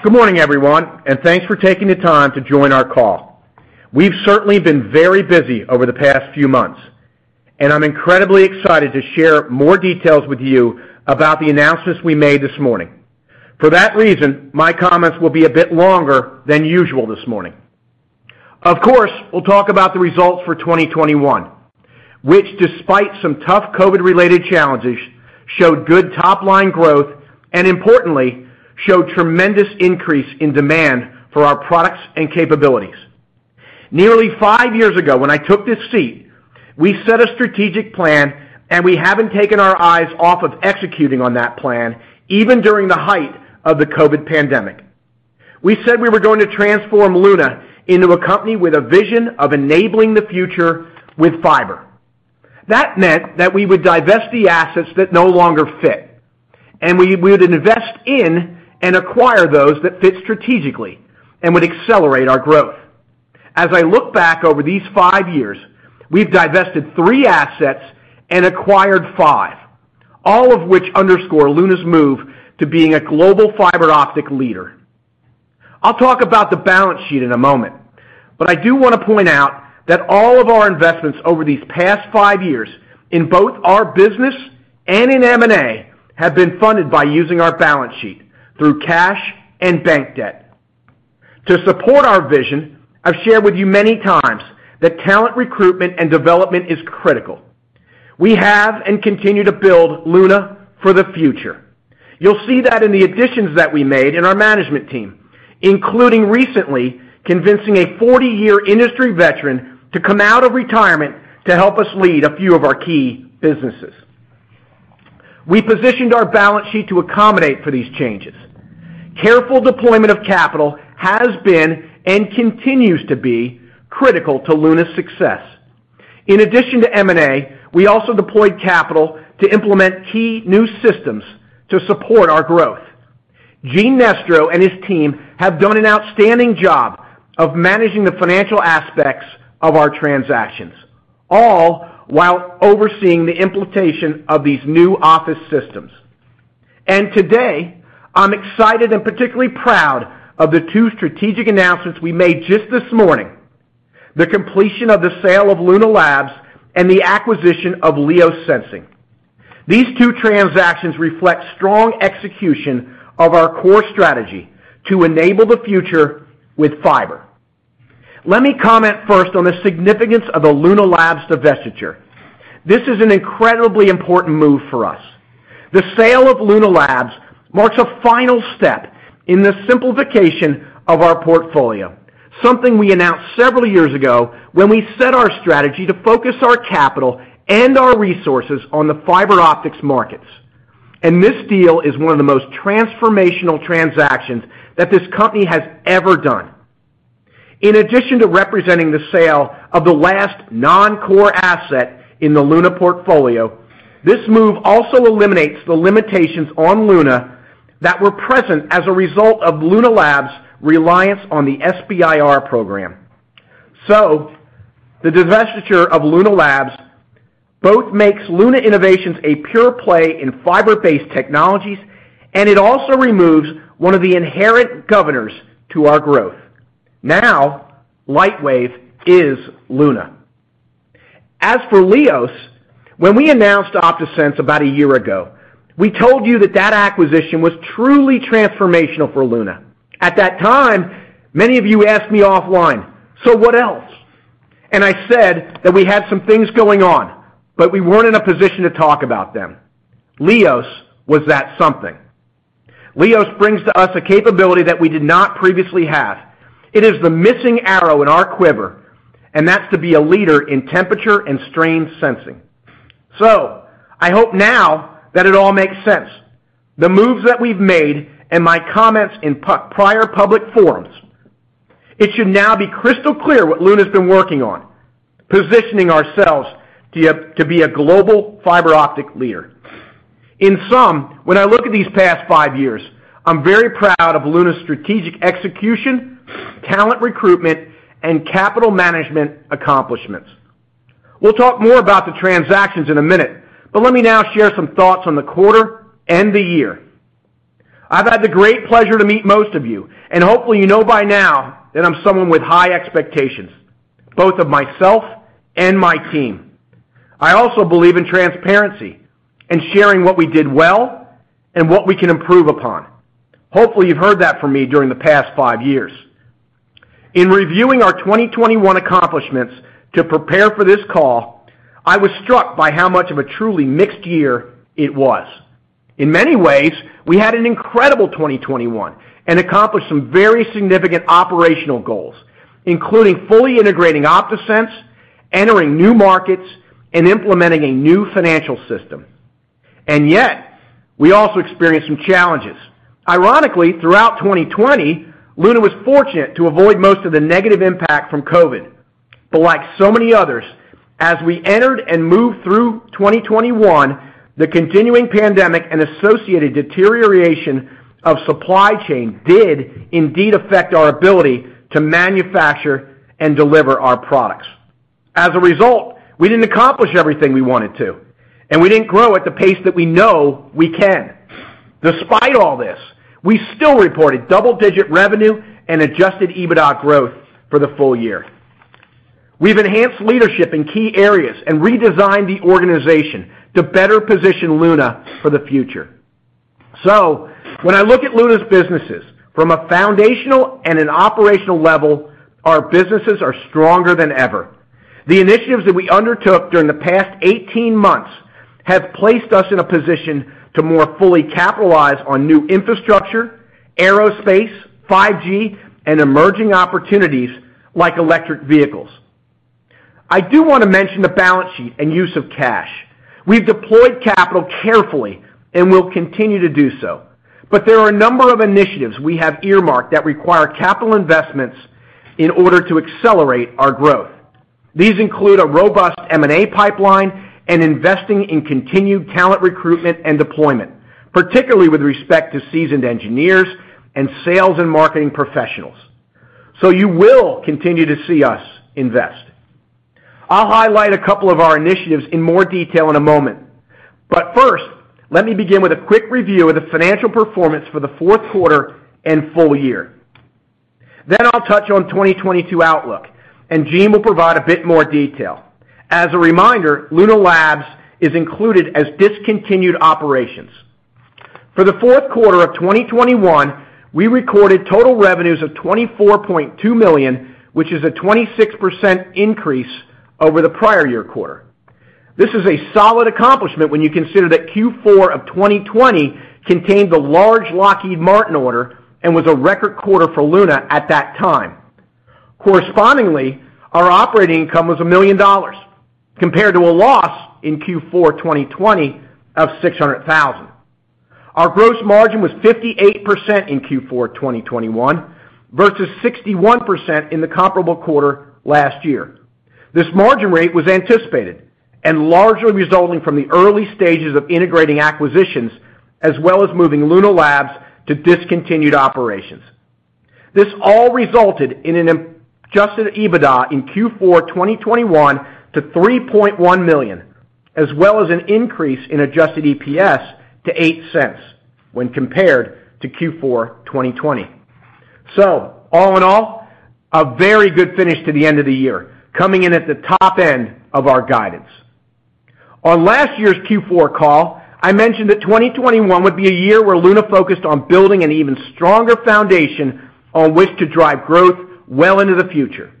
Good morning, everyone, and thanks for taking the time to join our call. We've certainly been very busy over the past few months, and I'm incredibly excited to share more details with you about the announcements we made this morning. For that reason, my comments will be a bit longer than usual this morning. Of course, we'll talk about the results for 2021, which despite some tough COVID-related challenges, showed good top-line growth, and importantly, showed tremendous increase in demand for our products and capabilities. Nearly five years ago, when I took this seat, we set a strategic plan, and we haven't taken our eyes off of executing on that plan, even during the height of the COVID pandemic. We said we were going to transform Luna into a company with a vision of enabling the future with fiber. That meant that we would divest the assets that no longer fit, and we would invest in and acquire those that fit strategically and would accelerate our growth. As I look back over these five years, we've divested three assets and acquired five, all of which underscore Luna's move to being a global fiber optic leader. I'll talk about the balance sheet in a moment, but I do wanna point out that all of our investments over these past five years, in both our business and in M&A, have been funded by using our balance sheet through cash and bank debt. To support our vision, I've shared with you many times that talent recruitment and development is critical. We have and continue to build Luna for the future. You'll see that in the additions that we made in our management team, including recently convincing a 40-year industry veteran to come out of retirement to help us lead a few of our key businesses. We positioned our balance sheet to accommodate for these changes. Careful deployment of capital has been and continues to be critical to Luna's success. In addition to M&A, we also deployed capital to implement key new systems to support our growth. Gene Nestro and his team have done an outstanding job of managing the financial aspects of our transactions, all while overseeing the implementation of these new office systems. Today, I'm excited and particularly proud of the two strategic announcements we made just this morning, the completion of the sale of Luna Labs and the acquisition of LIOS Sensing. These two transactions reflect strong execution of our core strategy to enable the future with fiber. Let me comment first on the significance of the Luna Labs divestiture. This is an incredibly important move for us. The sale of Luna Labs marks a final step in the simplification of our portfolio, something we announced several years ago when we set our strategy to focus our capital and our resources on the fiber optics markets. This deal is one of the most transformational transactions that this company has ever done. In addition to representing the sale of the last non-core asset in the Luna portfolio, this move also eliminates the limitations on Luna that were present as a result of Luna Labs' reliance on the SBIR program. The divestiture of Luna Labs both makes Luna Innovations a pure play in fiber-based technologies, and it also removes one of the inherent governors to our growth. Now, Lightwave is Luna. As for LIOS, when we announced OptaSense about a year ago, we told you that that acquisition was truly transformational for Luna. At that time, many of you asked me offline, "So what else?" I said that we had some things going on, but we weren't in a position to talk about them. LIOS was that something. LIOS brings to us a capability that we did not previously have. It is the missing arrow in our quiver, and that's to be a leader in temperature and strain sensing. I hope now that it all makes sense, the moves that we've made and my comments in prior public forums. It should now be crystal clear what Luna's been working on, positioning ourselves to be a, to be a global fiber optic leader. In sum, when I look at these past five years, I'm very proud of Luna's strategic execution, talent recruitment, and capital management accomplishments. We'll talk more about the transactions in a minute, but let me now share some thoughts on the quarter and the year. I've had the great pleasure to meet most of you, and hopefully, you know by now that I'm someone with high expectations, both of myself and my team. I also believe in transparency and sharing what we did well and what we can improve upon. Hopefully, you've heard that from me during the past five years. In reviewing our 2021 accomplishments to prepare for this call, I was struck by how much of a truly mixed year it was. In many ways, we had an incredible 2021 and accomplished some very significant operational goals, including fully integrating OptaSense, entering new markets, and implementing a new financial system. Yet, we also experienced some challenges. Ironically, throughout 2020, Luna was fortunate to avoid most of the negative impact from COVID. Like so many others, as we entered and moved through 2021, the continuing pandemic and associated deterioration of supply chain did indeed affect our ability to manufacture and deliver our products. As a result, we didn't accomplish everything we wanted to, and we didn't grow at the pace that we know we can. Despite all this, we still reported double-digit revenue and adjusted EBITDA growth for the full year. We've enhanced leadership in key areas and redesigned the organization to better position Luna for the future. When I look at Luna's businesses from a foundational and an operational level, our businesses are stronger than ever. The initiatives that we undertook during the past 18 months have placed us in a position to more fully capitalize on new infrastructure, aerospace, 5G, and emerging opportunities like electric vehicles. I do wanna mention the balance sheet and use of cash. We've deployed capital carefully, and we'll continue to do so, but there are a number of initiatives we have earmarked that require capital investments in order to accelerate our growth. These include a robust M&A pipeline and investing in continued talent recruitment and deployment, particularly with respect to seasoned engineers and sales and marketing professionals. You will continue to see us invest. I'll highlight a couple of our initiatives in more detail in a moment, but first, let me begin with a quick review of the financial performance for the fourth quarter and full year. I'll touch on 2022 outlook, and Gene will provide a bit more detail. As a reminder, Luna Labs is included as discontinued operations. For the fourth quarter of 2021, we recorded total revenues of $24.2 million, which is a 26% increase over the prior year quarter. This is a solid accomplishment when you consider that Q4 of 2020 contained the large Lockheed Martin order and was a record quarter for Luna at that time. Correspondingly, our operating income was $1 million compared to a loss in Q4 2020 of $600,000. Our gross margin was 58% in Q4 2021 versus 61% in the comparable quarter last year. This margin rate was anticipated and largely resulting from the early stages of integrating acquisitions as well as moving Luna Labs to discontinued operations. This all resulted in an adjusted EBITDA in Q4 2021 of $3.1 million, as well as an increase in adjusted EPS to $0.08 when compared to Q4 2020. All in all, a very good finish to the end of the year, coming in at the top end of our guidance. On last year's Q4 call, I mentioned that 2021 would be a year where Luna focused on building an even stronger foundation on which to drive growth well into the future.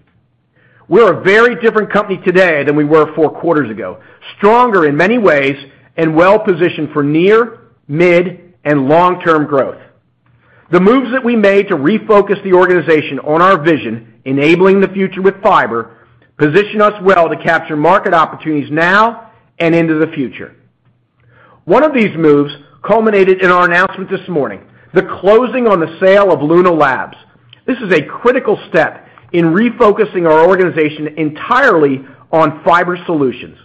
We're a very different company today than we were four quarters ago, stronger in many ways and well positioned for near, mid, and long-term growth. The moves that we made to refocus the organization on our vision, enabling the future with fiber, position us well to capture market opportunities now and into the future. One of these moves culminated in our announcement this morning, the closing on the sale of Luna Labs. This is a critical step in refocusing our organization entirely on fiber solutions.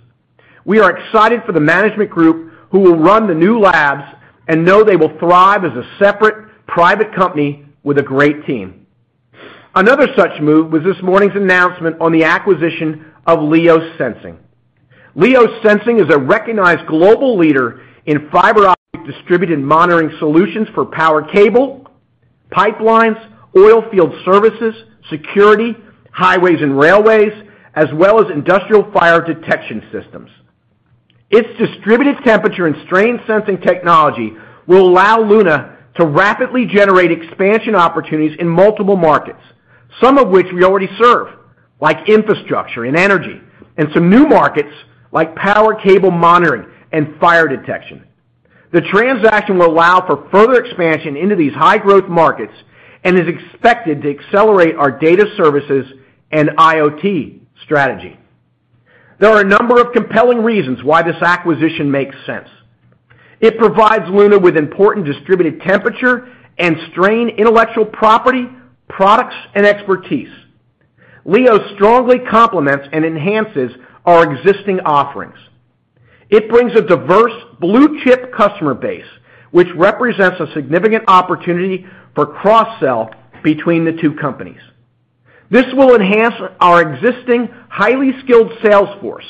We are excited for the management group who will run the new labs and know they will thrive as a separate private company with a great team. Another such move was this morning's announcement on the acquisition of LIOS Sensing. LIOS Sensing is a recognized global leader in fiber optic distributed monitoring solutions for power cable, pipelines, oil field services, security, highways and railways, as well as industrial fire detection systems. Its distributed temperature and strain sensing technology will allow Luna to rapidly generate expansion opportunities in multiple markets, some of which we already serve, like infrastructure and energy, and some new markets like power cable monitoring and fire detection. The transaction will allow for further expansion into these high growth markets and is expected to accelerate our data services and IoT strategy. There are a number of compelling reasons why this acquisition makes sense. It provides Luna with important distributed temperature and strain intellectual property, products, and expertise. LIOS strongly complements and enhances our existing offerings. It brings a diverse Blue Chip customer base, which represents a significant opportunity for cross-sell between the two companies. This will enhance our existing highly skilled sales force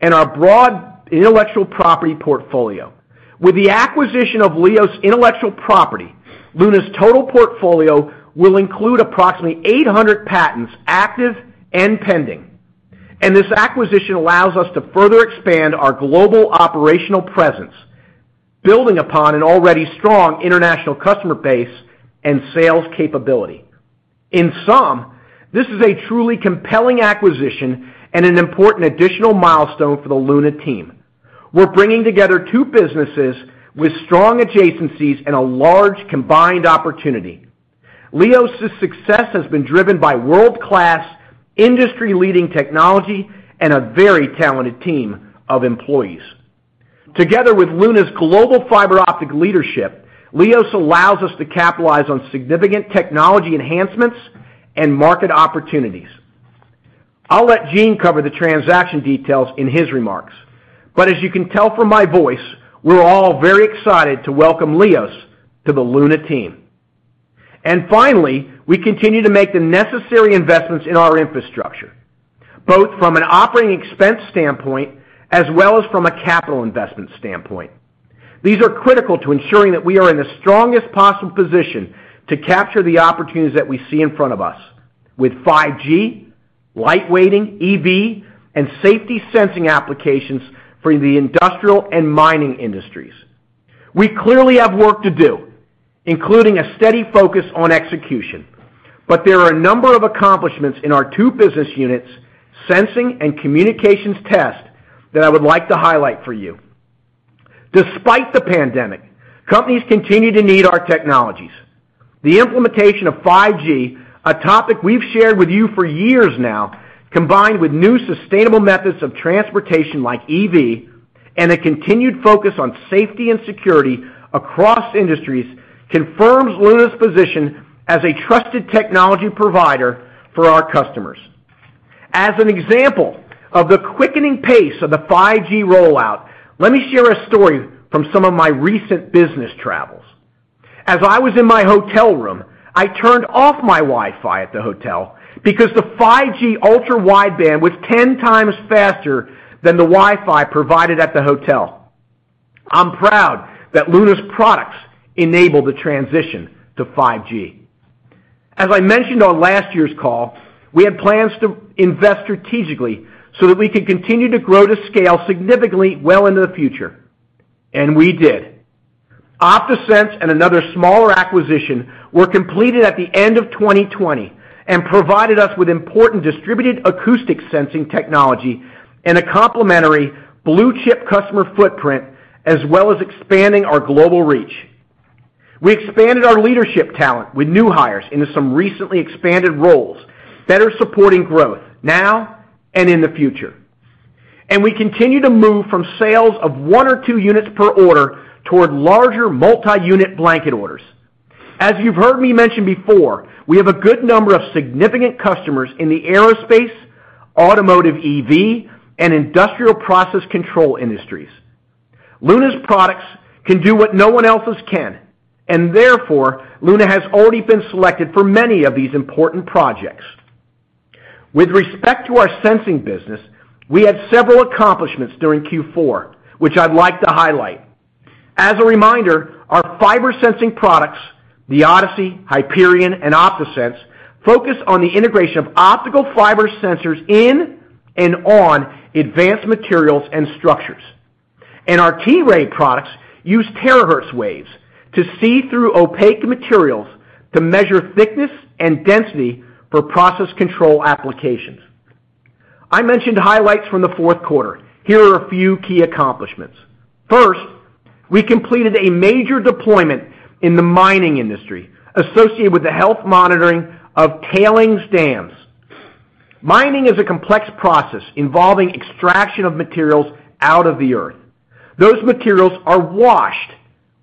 and our broad intellectual property portfolio. With the acquisition of LIOS intellectual property, Luna's total portfolio will include approximately 800 patents active and pending. This acquisition allows us to further expand our global operational presence, building upon an already strong international customer base and sales capability. In sum, this is a truly compelling acquisition and an important additional milestone for the Luna team. We're bringing together two businesses with strong adjacencies and a large combined opportunity. LIOS's success has been driven by world-class industry-leading technology and a very talented team of employees. Together with Luna's global fiber optic leadership, LIOS allows us to capitalize on significant technology enhancements and market opportunities. I'll let Gene cover the transaction details in his remarks. As you can tell from my voice, we're all very excited to welcome LIOS to the Luna team. Finally, we continue to make the necessary investments in our infrastructure, both from an operating expense standpoint as well as from a capital investment standpoint. These are critical to ensuring that we are in the strongest possible position to capture the opportunities that we see in front of us with 5G, light weighting, EV, and safety sensing applications for the industrial and mining industries. We clearly have work to do, including a steady focus on execution. There are a number of accomplishments in our two business units, sensing and communications test, that I would like to highlight for you. Despite the pandemic, companies continue to need our technologies. The implementation of 5G, a topic we've shared with you for years now, combined with new sustainable methods of transportation like EV and a continued focus on safety and security across industries confirms Luna's position as a trusted technology provider for our customers. As an example of the quickening pace of the 5G rollout, let me share a story from some of my recent business travels. As I was in my hotel room, I turned off my Wi-Fi at the hotel because the 5G Ultra Wideband was 10x faster than the Wi-Fi provided at the hotel. I'm proud that Luna's products enable the transition to 5G. As I mentioned on last year's call, we had plans to invest strategically so that we could continue to grow to scale significantly well into the future, and we did. OptaSense and another smaller acquisition were completed at the end of 2020 and provided us with important distributed acoustic sensing technology and a complementary Blue Chip customer footprint, as well as expanding our global reach. We expanded our leadership talent with new hires into some recently expanded roles, better supporting growth now and in the future. We continue to move from sales of one or two units per order toward larger multi-unit blanket orders. As you've heard me mention before, we have a good number of significant customers in the aerospace, automotive EV, and industrial process control industries. Luna's products can do what no one else's can, and therefore, Luna has already been selected for many of these important projects. With respect to our sensing business, we had several accomplishments during Q4, which I'd like to highlight. As a reminder, our fiber sensing products, the ODiSI, Hyperion, and OptaSense, focus on the integration of optical fiber sensors in and on advanced materials and structures. Our T-Ray products use terahertz waves to see through opaque materials to measure thickness and density for process control applications. I mentioned highlights from the fourth quarter. Here are a few key accomplishments. First, we completed a major deployment in the mining industry associated with the health monitoring of tailings dams. Mining is a complex process involving extraction of materials out of the earth. Those materials are washed,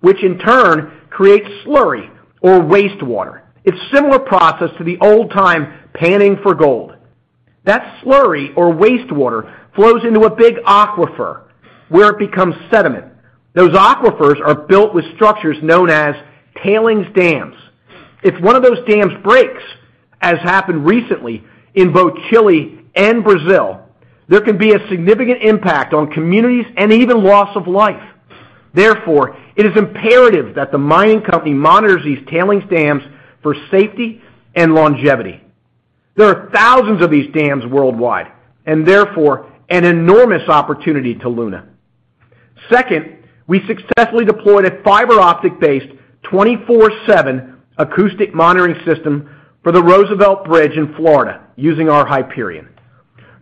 which in turn creates slurry or wastewater. It's similar process to the old-time panning for gold. That slurry or wastewater flows into a big aquifer where it becomes sediment. Those aquifers are built with structures known as tailings dams. If one of those dams breaks, as happened recently in both Chile and Brazil, there can be a significant impact on communities and even loss of life. Therefore, it is imperative that the mining company monitors these tailings dams for safety and longevity. There are thousands of these dams worldwide and therefore an enormous opportunity to Luna. Second, we successfully deployed a fiber-optic-based 24/7 acoustic monitoring system for the Roosevelt Bridge in Florida using our Hyperion.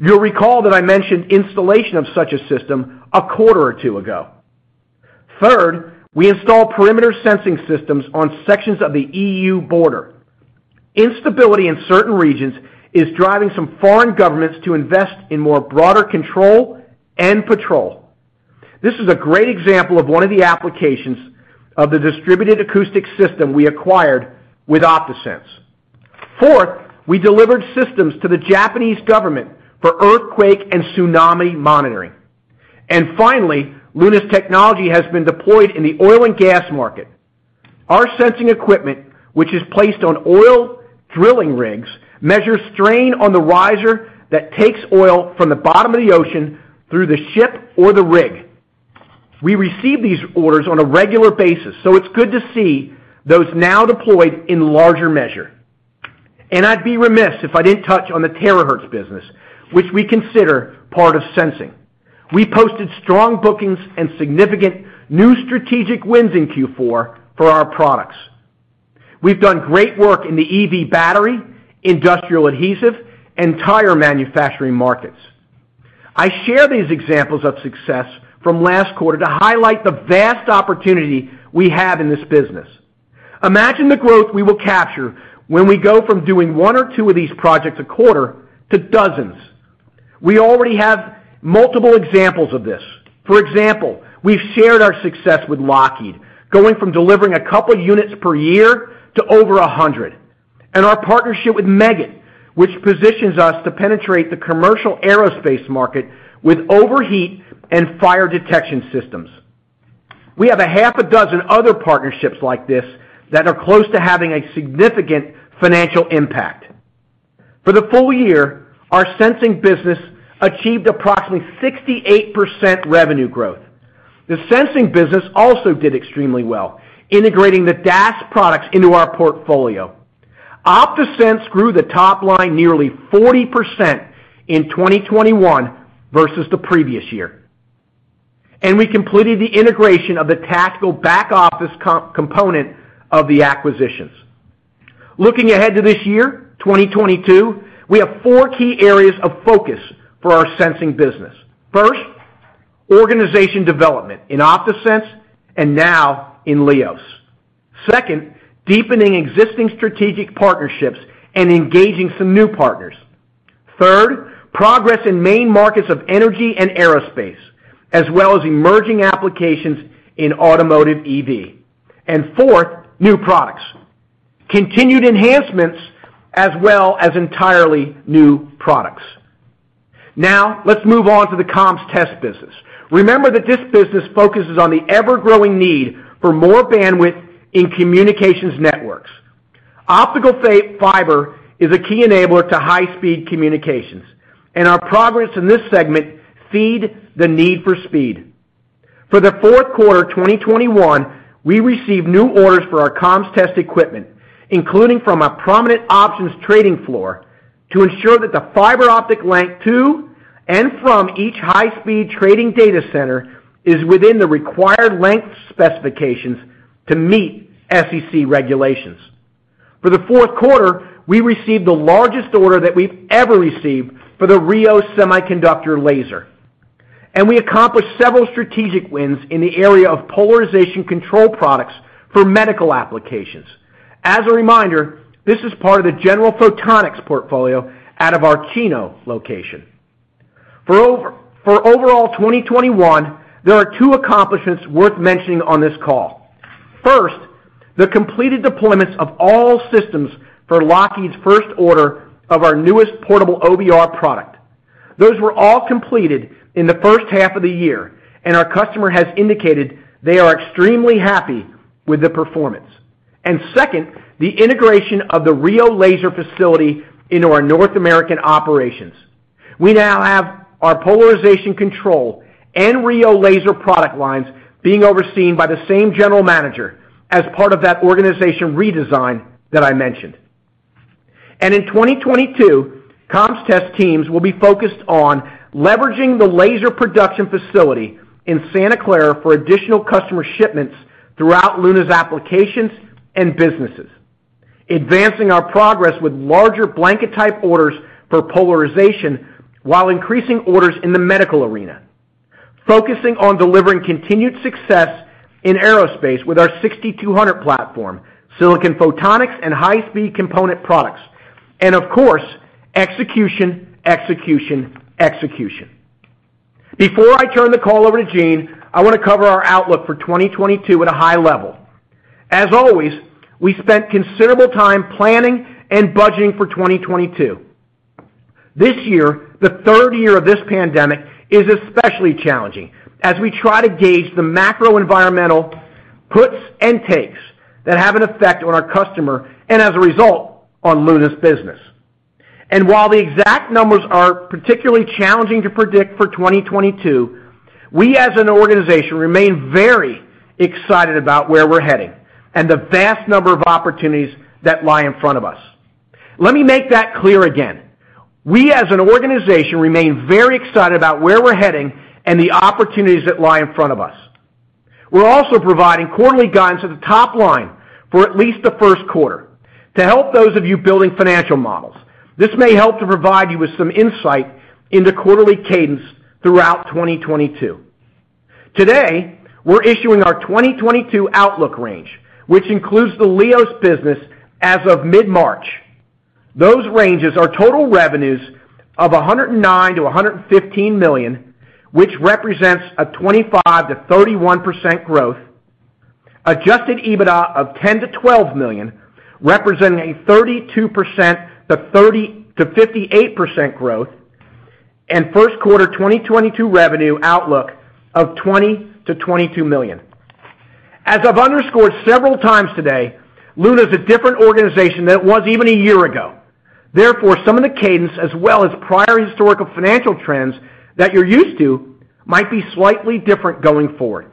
You'll recall that I mentioned installation of such a system a quarter or two ago. Third, we installed perimeter sensing systems on sections of the EU border. Instability in certain regions is driving some foreign governments to invest in more broader control and patrol. This is a great example of one of the applications of the distributed acoustic system we acquired with OptaSense. Fourth, we delivered systems to the Japanese government for earthquake and tsunami monitoring. Finally, Luna's technology has been deployed in the oil and gas market. Our sensing equipment, which is placed on oil drilling rigs, measures strain on the riser that takes oil from the bottom of the ocean through the ship or the rig. We receive these orders on a regular basis, so it's good to see those now deployed in larger measure. I'd be remiss if I didn't touch on the terahertz business, which we consider part of sensing. We posted strong bookings and significant new strategic wins in Q4 for our products. We've done great work in the EV battery, industrial adhesive, and tire manufacturing markets. I share these examples of success from last quarter to highlight the vast opportunity we have in this business. Imagine the growth we will capture when we go from doing one or two of these projects a quarter to dozens. We already have multiple examples of this. For example, we've shared our success with Lockheed, going from delivering a couple units per year to over 100. Our partnership with Meggitt, which positions us to penetrate the commercial aerospace market with overheat and fire detection systems. We have a half a dozen other partnerships like this that are close to having a significant financial impact. For the full year, our sensing business achieved approximately 68% revenue growth. The sensing business also did extremely well integrating the DAS products into our portfolio. OptaSense grew the top line nearly 40% in 2021 versus the previous year. We completed the integration of the technical back-office component of the acquisitions. Looking ahead to this year, 2022, we have four key areas of focus for our sensing business. First, organization development in OptaSense and now in LIOS. Second, deepening existing strategic partnerships and engaging some new partners. Third, progress in main markets of energy and aerospace, as well as emerging applications in automotive EV. Fourth, new products, continued enhancements as well as entirely new products. Now let's move on to the comms test business. Remember that this business focuses on the ever-growing need for more bandwidth in communications networks. Optical fiber is a key enabler to high-speed communications, and our progress in this segment feeds the need for speed. For the fourth quarter of 2021, we received new orders for our comms test equipment, including from a prominent options trading floor to ensure that the fiber optic length to and from each high-speed trading data center is within the required length specifications to meet SEC regulations. For the fourth quarter, we received the largest order that we've ever received for the RIO semiconductor laser, and we accomplished several strategic wins in the area of polarization control products for medical applications. As a reminder, this is part of the General Photonics portfolio out of our Chino location. For overall 2021, there are two accomplishments worth mentioning on this call. First, the completed deployments of all systems for Lockheed's first order of our newest portable OBR product were all completed in the first half of the year, and our customer has indicated they are extremely happy with the performance. Second, the integration of the RIO Laser facility into our North American operations. We now have our polarization control and RIO Laser product lines being overseen by the same general manager as part of that organization redesign that I mentioned. In 2022, comms test teams will be focused on leveraging the laser production facility in Santa Clara for additional customer shipments throughout Luna's applications and businesses. Advancing our progress with larger blanket type orders for polarization while increasing orders in the medical arena. Focusing on delivering continued success in aerospace with our 6200 platform, silicon photonics and high-speed component products. Of course, execution, execution. Before I turn the call over to Gene, I wanna cover our outlook for 2022 at a high level. As always, we spent considerable time planning and budgeting for 2022. This year, the third year of this pandemic, is especially challenging as we try to gauge the macro environmental puts and takes that have an effect on our customer and as a result on Luna's business. While the exact numbers are particularly challenging to predict for 2022, we as an organization remain very excited about where we're heading and the vast number of opportunities that lie in front of us. Let me make that clear again. We as an organization remain very excited about where we're heading and the opportunities that lie in front of us. We're also providing quarterly guidance at the top line for at least the first quarter. To help those of you building financial models, this may help to provide you with some insight into quarterly cadence throughout 2022. Today, we're issuing our 2022 outlook range, which includes the LIOS business as of mid-March. Those ranges are total revenues of $109 million-$115 million, which represents a 25%-31% growth. Adjusted EBITDA of $10 million-$12 million, representing a 32%-58% growth. First quarter 2022 revenue outlook of $20 million-$22 million. As I've underscored several times today, Luna is a different organization than it was even a year ago. Therefore, some of the cadence as well as prior historical financial trends that you're used to might be slightly different going forward.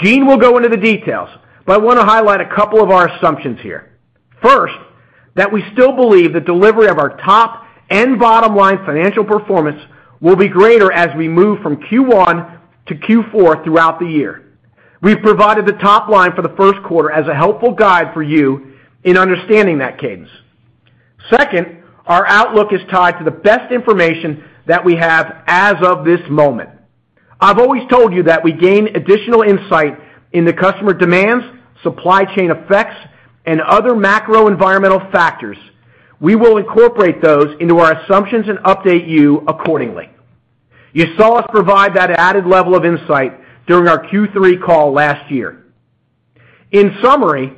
Gene will go into the details, but I wanna highlight a couple of our assumptions here. First, that we still believe the delivery of our top and bottom line financial performance will be greater as we move from Q1 to Q4 throughout the year. We've provided the top line for the first quarter as a helpful guide for you in understanding that cadence. Second, our outlook is tied to the best information that we have as of this moment. I've always told you that we gain additional insight into customer demands, supply chain effects, and other macro environmental factors. We will incorporate those into our assumptions and update you accordingly. You saw us provide that added level of insight during our Q3 call last year. In summary,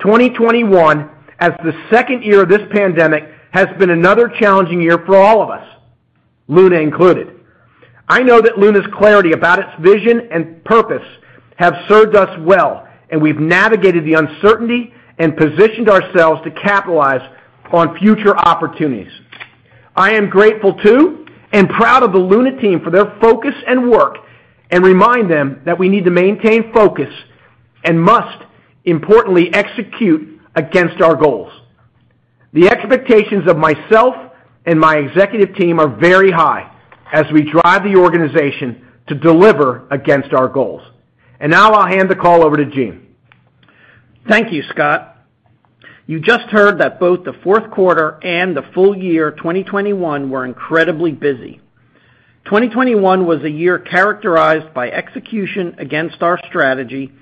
2021 as the second year of this pandemic has been another challenging year for all of us, Luna included. I know that Luna's clarity about its vision and purpose have served us well, and we've navigated the uncertainty and positioned ourselves to capitalize on future opportunities. I am grateful too and proud of the Luna team for their focus and work, and remind them that we need to maintain focus and must importantly execute against our goals. The expectations of myself and my executive team are very high as we drive the organization to deliver against our goals. Now I'll hand the call over to Gene. Thank you, Scott. You just heard that both the fourth quarter and the full year 2021 were incredibly busy. 2021 was a year characterized by execution against our strategy,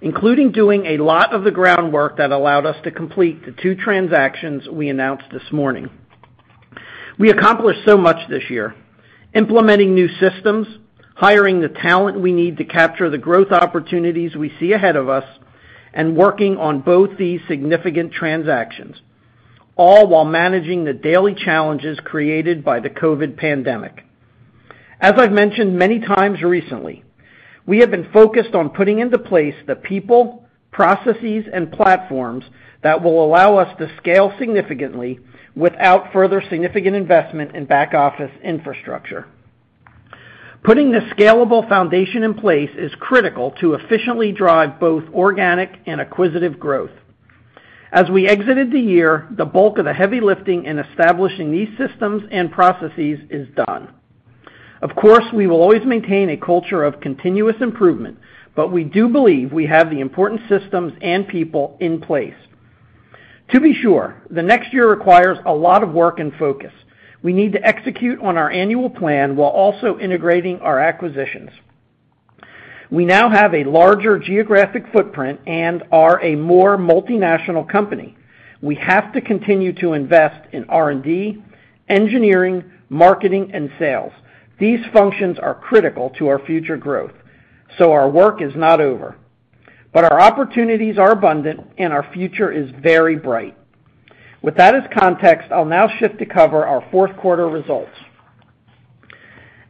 including doing a lot of the groundwork that allowed us to complete the two transactions we announced this morning. We accomplished so much this year, implementing new systems, hiring the talent we need to capture the growth opportunities we see ahead of us, and working on both these significant transactions, all while managing the daily challenges created by the COVID pandemic. As I've mentioned many times recently, we have been focused on putting into place the people, processes, and platforms that will allow us to scale significantly without further significant investment in back-office infrastructure. Putting this scalable foundation in place is critical to efficiently drive both organic and acquisitive growth. As we exited the year, the bulk of the heavy lifting in establishing these systems and processes is done. Of course, we will always maintain a culture of continuous improvement, but we do believe we have the important systems and people in place. To be sure, the next year requires a lot of work and focus. We need to execute on our annual plan while also integrating our acquisitions. We now have a larger geographic footprint and are a more multinational company. We have to continue to invest in R&D, engineering, marketing, and sales. These functions are critical to our future growth, so our work is not over. Our opportunities are abundant and our future is very bright. With that as context, I'll now shift to cover our fourth quarter results.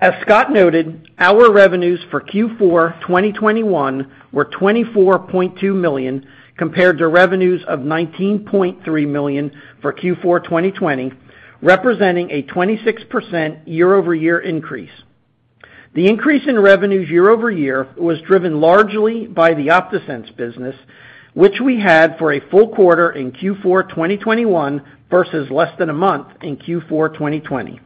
As Scott noted, our revenues for Q4 2021 were $24.2 million compared to revenues of $19.3 million for Q4 2020, representing a 26% year-over-year increase. The increase in revenues year-over-year was driven largely by the OptaSense business, which we had for a full quarter in Q4 2021 versus less than a month in Q4 2020.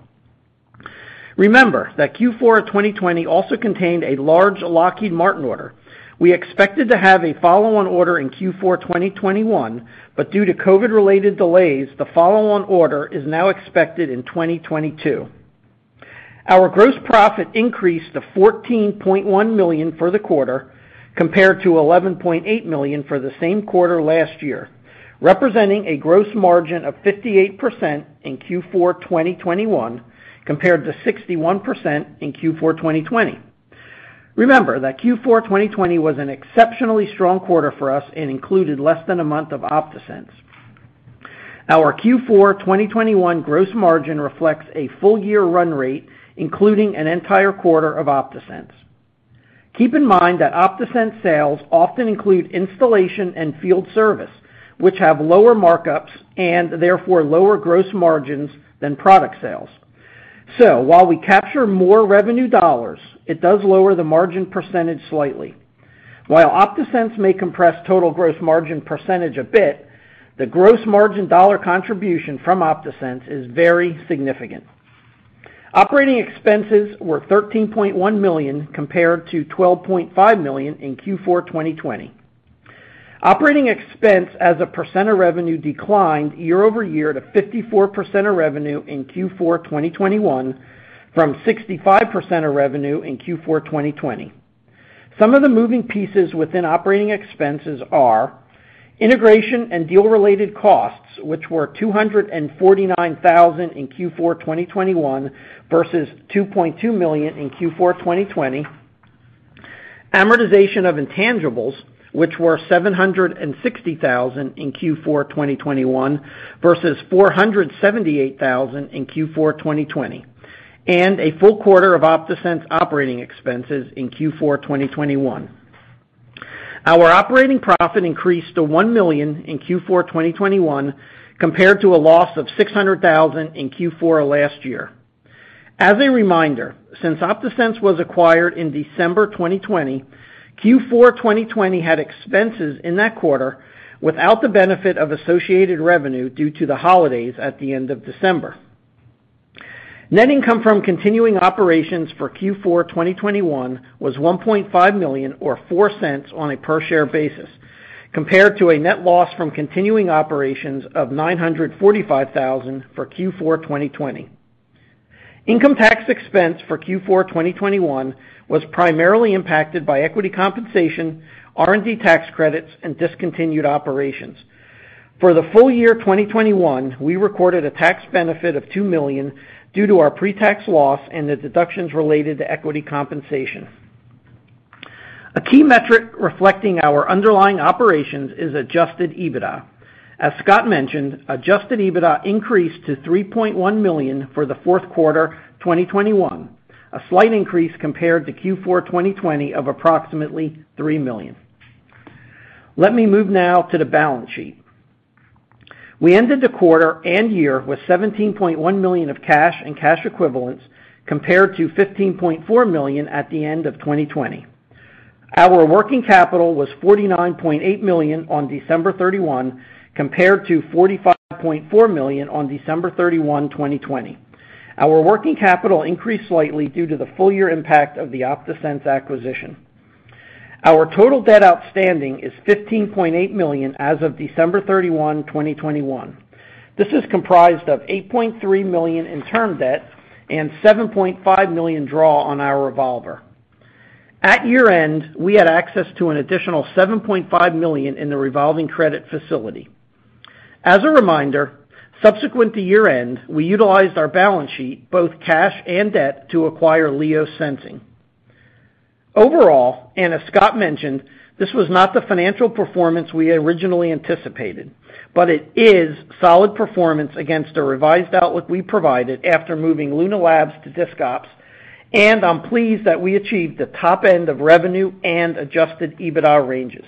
Remember that Q4 2020 also contained a large Lockheed Martin order. We expected to have a follow-on order in Q4 2021, but due to COVID-related delays, the follow-on order is now expected in 2022. Our gross profit increased to $14.1 million for the quarter compared to $11.8 million for the same quarter last year, representing a gross margin of 58% in Q4 2021 compared to 61% in Q4 2020. Remember that Q4 2020 was an exceptionally strong quarter for us and included less than a month of OptaSense. Our Q4 2021 gross margin reflects a full year run rate, including an entire quarter of OptaSense. Keep in mind that OptaSense sales often include installation and field service, which have lower markups and therefore lower gross margins than product sales. While we capture more revenue dollars, it does lower the margin percentage slightly. While OptaSense may compress total gross margin percentage a bit, the gross margin dollar contribution from OptaSense is very significant. Operating expenses were $13.1 million compared to $12.5 million in Q4 2020. Operating expense as a percent of revenue declined year-over-year to 54% of revenue in Q4 2021 from 65% of revenue in Q4 2020. Some of the moving pieces within operating expenses are integration and deal-related costs, which were $249,000 in Q4 2021 versus $2.2 million in Q4 2020, amortization of intangibles, which were $760,000 in Q4 2021 versus $478,000 in Q4 2020, and a full quarter of OptaSense operating expenses in Q4 2021. Our operating profit increased to $1 million in Q4 2021 compared to a loss of $600,000 in Q4 last year. As a reminder, since OptaSense was acquired in December 2020, Q4 2020 had expenses in that quarter without the benefit of associated revenue due to the holidays at the end of December. Net income from continuing operations for Q4 2021 was $1.5 million or $0.04 on a per share basis compared to a net loss from continuing operations of $945,000 for Q4 2020. Income tax expense for Q4 2021 was primarily impacted by equity compensation, R&D tax credits, and discontinued operations. For the full year 2021, we recorded a tax benefit of $2 million due to our pre-tax loss and the deductions related to equity compensation. A key metric reflecting our underlying operations is adjusted EBITDA. As Scott mentioned, adjusted EBITDA increased to $3.1 million for the fourth quarter 2021, a slight increase compared to Q4 2020 of approximately $3 million. Let me move now to the balance sheet. We ended the quarter and year with $17.1 million of cash and cash equivalents compared to $15.4 million at the end of 2020. Our working capital was $49.8 million on December 31 compared to $45.4 million on December 31, 2020. Our working capital increased slightly due to the full year impact of the OptaSense acquisition. Our total debt outstanding is $15.8 million as of December 31, 2021. This is comprised of $8.3 million in term debt and $7.5 million draw on our revolver. At year-end, we had access to an additional $7.5 million in the revolving credit facility. As a reminder, subsequent to year-end, we utilized our balance sheet, both cash and debt, to acquire LIOS Sensing. Overall, as Scott mentioned, this was not the financial performance we originally anticipated, but it is solid performance against the revised outlook we provided after moving Luna Labs to discontinued operations, and I'm pleased that we achieved the top end of revenue and adjusted EBITDA ranges.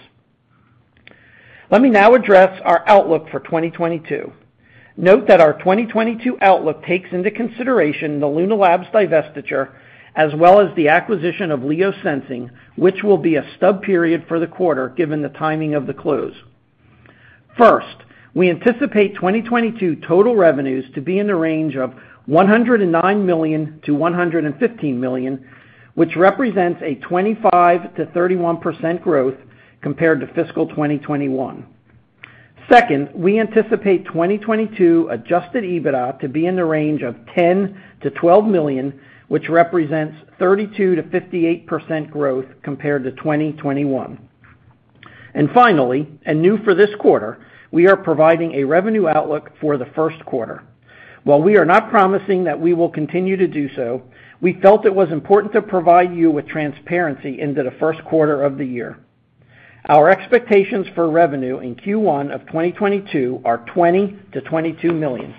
Let me now address our outlook for 2022. Note that our 2022 outlook takes into consideration the Luna Labs divestiture as well as the acquisition of LIOS Sensing, which will be a stub period for the quarter given the timing of the close. First, we anticipate 2022 total revenues to be in the range of $109 million-$115 million, which represents a 25%-31% growth compared to fiscal 2021. Second, we anticipate 2022 adjusted EBITDA to be in the range of $10 million-$12 million, which represents 32%-58% growth compared to 2021. Finally, a new for this quarter, we are providing a revenue outlook for the first quarter. While we are not promising that we will continue to do so, we felt it was important to provide you with transparency into the first quarter of the year. Our expectations for revenue in Q1 of 2022 are $20 million-$22 million.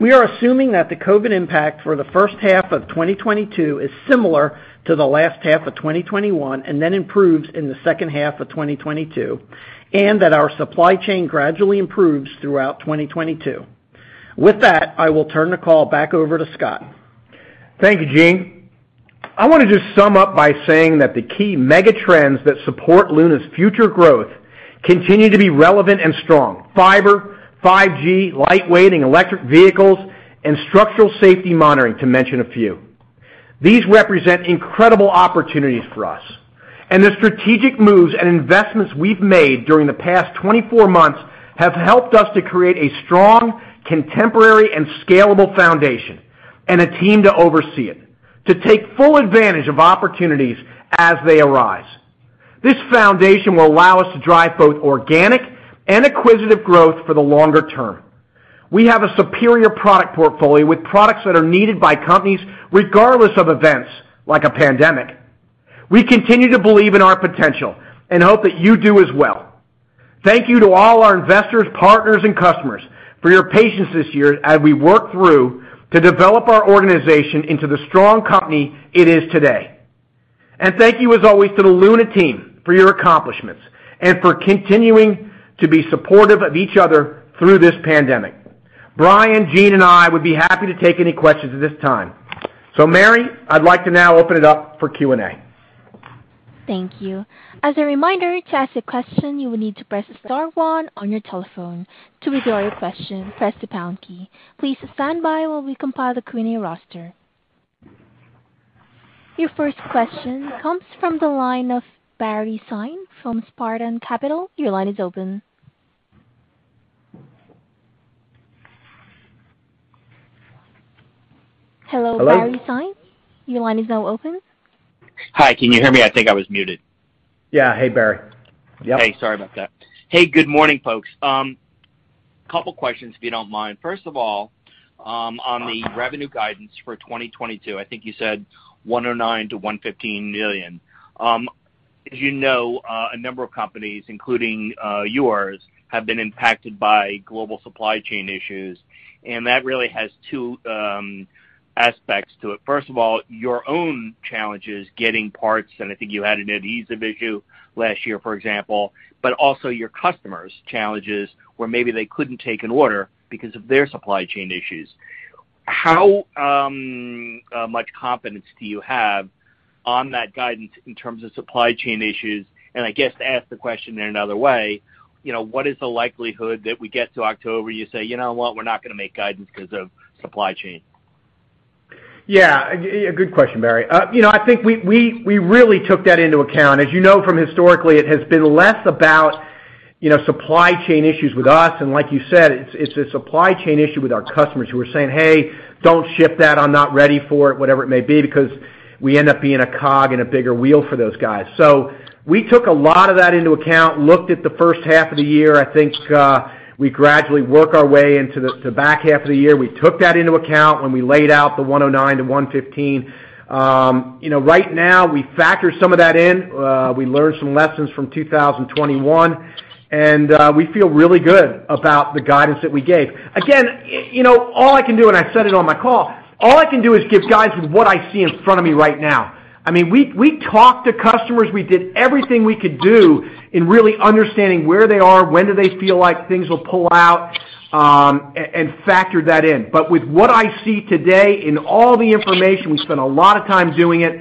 We are assuming that the COVID impact for the first half of 2022 is similar to the last half of 2021, and then improves in the second half of 2022, and that our supply chain gradually improves throughout 2022. With that, I will turn the call back over to Scott. Thank you, Gene. I want to just sum up by saying that the key mega trends that support Luna's future growth continue to be relevant and strong. Fiber, 5G, lightweight and electric vehicles, and structural safety monitoring, to mention a few. These represent incredible opportunities for us, and the strategic moves and investments we've made during the past 24 months have helped us to create a strong, contemporary, and scalable foundation and a team to oversee it to take full advantage of opportunities as they arise. This foundation will allow us to drive both organic and acquisitive growth for the longer term. We have a superior product portfolio with products that are needed by companies regardless of events like a pandemic. We continue to believe in our potential and hope that you do as well. Thank you to all our investors, partners, and customers for your patience this year as we work through to develop our organization into the strong company it is today. Thank you as always to the Luna team for your accomplishments and for continuing to be supportive of each other through this pandemic. Brian, Gene, and I would be happy to take any questions at this time. Mary, I'd like to now open it up for Q&A. Thank you. As a reminder, to ask a question, you will need to press star one on your telephone. To withdraw your question, press the pound key. Please stand by while we compile the Q&A roster. Your first question comes from the line of Barry Sine from Spartan Capital. Your line is open. Hello, Barry Sine. Your line is now open. Hi, can you hear me? I think I was muted. Yeah. Hey, Barry. Yep. Hey, sorry about that. Hey, good morning, folks. Couple questions, if you don't mind. First of all, on the revenue guidance for 2022, I think you said $109 million-$115 million. As you know, a number of companies, including yours, have been impacted by global supply chain issues, and that really has two aspects to it. First of all, your own challenges getting parts, and I think you had an adhesive issue last year, for example. Also your customers' challenges, where maybe they couldn't take an order because of their supply chain issues. How much confidence do you have on that guidance in terms of supply chain issues? And I guess to ask the question in another way, you know, what is the likelihood that we get to October, you say, "You know what? We're not gonna make guidance 'cause of supply chain. Yeah. A good question, Barry. You know, I think we really took that into account. As you know from historically, it has been less about, you know, supply chain issues with us, and like you said, it's a supply chain issue with our customers who are saying, "Hey, don't ship that. I'm not ready for it," whatever it may be, because we end up being a cog in a bigger wheel for those guys. We took a lot of that into account, looked at the first half of the year. I think we gradually work our way into the back half of the year. We took that into account when we laid out the $109-$115. You know, right now we factor some of that in. We learned some lessons from 2021, and we feel really good about the guidance that we gave. Again, you know, all I can do, and I said it on my call, all I can do is give guidance with what I see in front of me right now. I mean, we talk to customers. We did everything we could do in really understanding where they are, when do they feel like things will pull out, and factor that in. With what I see today in all the information, we spend a lot of time doing it,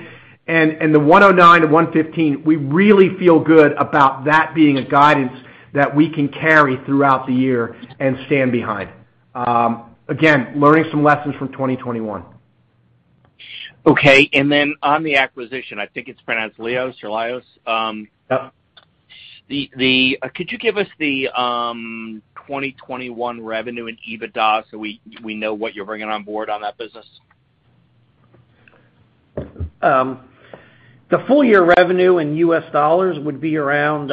and the $109-$115, we really feel good about that being a guidance that we can carry throughout the year and stand behind. Again, learning some lessons from 2021. Okay. On the acquisition, I think it's pronounced LIOS or Lios. Could you give us the 2021 revenue and EBITDA so we know what you're bringing on board on that business? The full year revenue in U.S. dollars would be around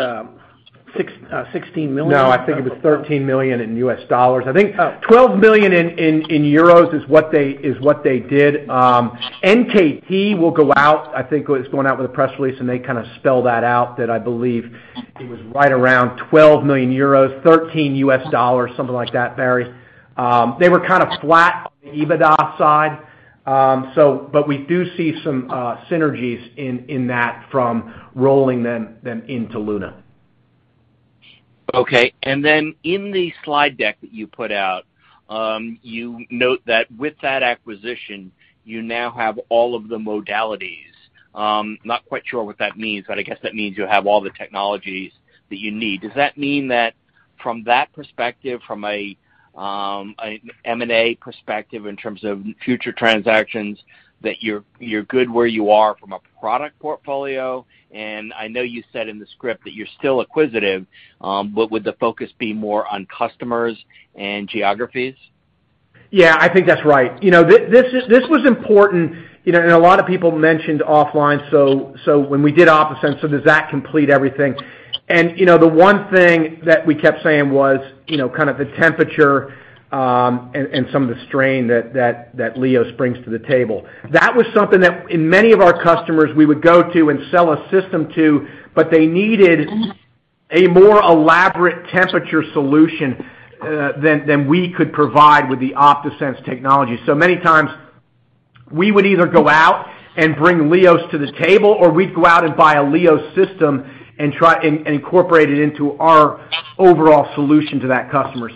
$16 million. No, I think it was $13 million in U.S. dollars. I think 12 million euros is what they did. NKT will go out. I think it's going out with a press release, and they kind of spell that out, that I believe it was right around 12 million euros, $13 million, something like that, Barry. They were kind of flat on the EBITDA side. We do see some synergies in that from rolling them into Luna. Okay. In the slide deck that you put out, you note that with that acquisition, you now have all of the modalities. Not quite sure what that means, but I guess that means you have all the technologies that you need. Does that mean that from that perspective, from a M&A perspective in terms of future transactions, that you're good where you are from a product portfolio? I know you said in the script that you're still acquisitive, but would the focus be more on customers and geographies? Yeah, I think that's right. You know, this was important, you know, and a lot of people mentioned offline, so when we did OptaSense. Does that complete everything? You know, the one thing that we kept saying was, you know, kind of the temperature and some of the strain that LIOS brings to the table. That was something that in many of our customers we would go to and sell a system to, but they needed a more elaborate temperature solution than we could provide with the OptaSense technology. Many times we would either go out and bring LIOS to the table, or we'd go out and buy a LIOS system and try and incorporate it into our overall solution to that customer.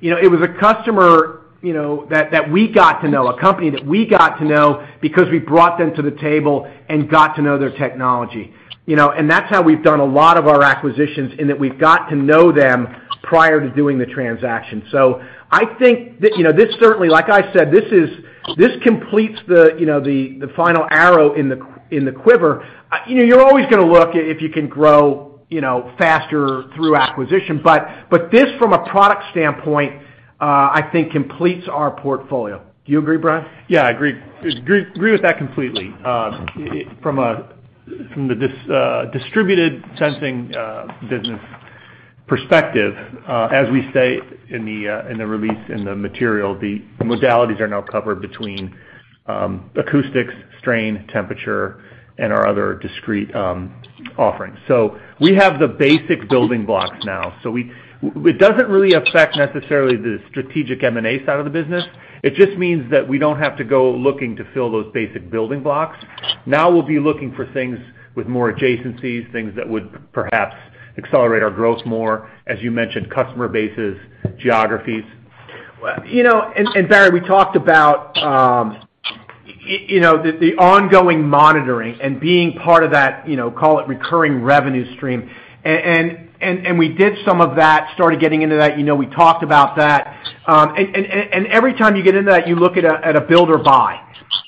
You know, it was a customer, you know, that we got to know, a company that we got to know because we brought them to the table and got to know their technology. You know, that's how we've done a lot of our acquisitions, in that we've got to know them prior to doing the transaction. I think that, you know, this certainly, like I said, this completes the, you know, the final arrow in the quiver. You know, you're always gonna look if you can grow, you know, faster through acquisition. This from a product standpoint, I think completes our portfolio. Do you agree, Brian? Yeah, I agree with that completely. From the distributed sensing business perspective, as we say in the release in the material, the modalities are now covered between acoustics, strain, temperature, and our other discrete offerings. We have the basic building blocks now. It doesn't really affect necessarily the strategic M&A side of the business. It just means that we don't have to go looking to fill those basic building blocks. Now we'll be looking for things with more adjacencies, things that would perhaps accelerate our growth more, as you mentioned, customer bases, geographies. You know, Barry, we talked about you know, the ongoing monitoring and being part of that, you know, call it recurring revenue stream. We did some of that, started getting into that. You know, we talked about that. Every time you get into that, you look at a build or buy.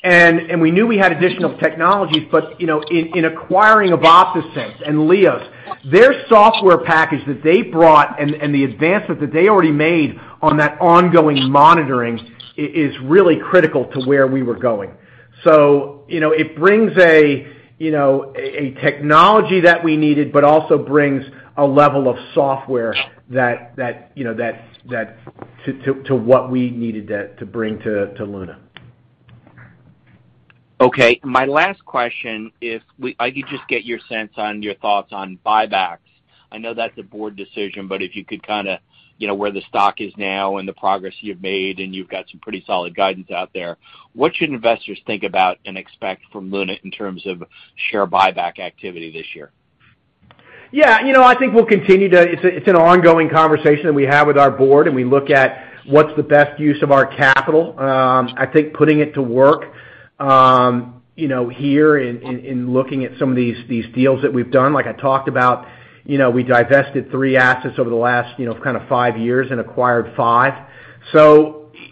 We knew we had additional technologies, but you know, in acquiring OptaSense and LIOS, their software package that they brought and the advancements that they already made on that ongoing monitoring is really critical to where we were going. You know, it brings a you know, a technology that we needed, but also brings a level of software that you know, that to what we needed to bring to Luna. Okay. My last question is I could just get your sense on, your thoughts on buybacks. I know that's a board decision, but if you could kinda, you know, where the stock is now and the progress you've made, and you've got some pretty solid guidance out there, what should investors think about and expect from Luna in terms of share buyback activity this year? You know, I think we'll continue to. It's an ongoing conversation that we have with our board, and we look at what's the best use of our capital. I think putting it to work, you know, here in looking at some of these deals that we've done. Like I talked about, you know, we divested three assets over the last, you know, kind of five years and acquired five.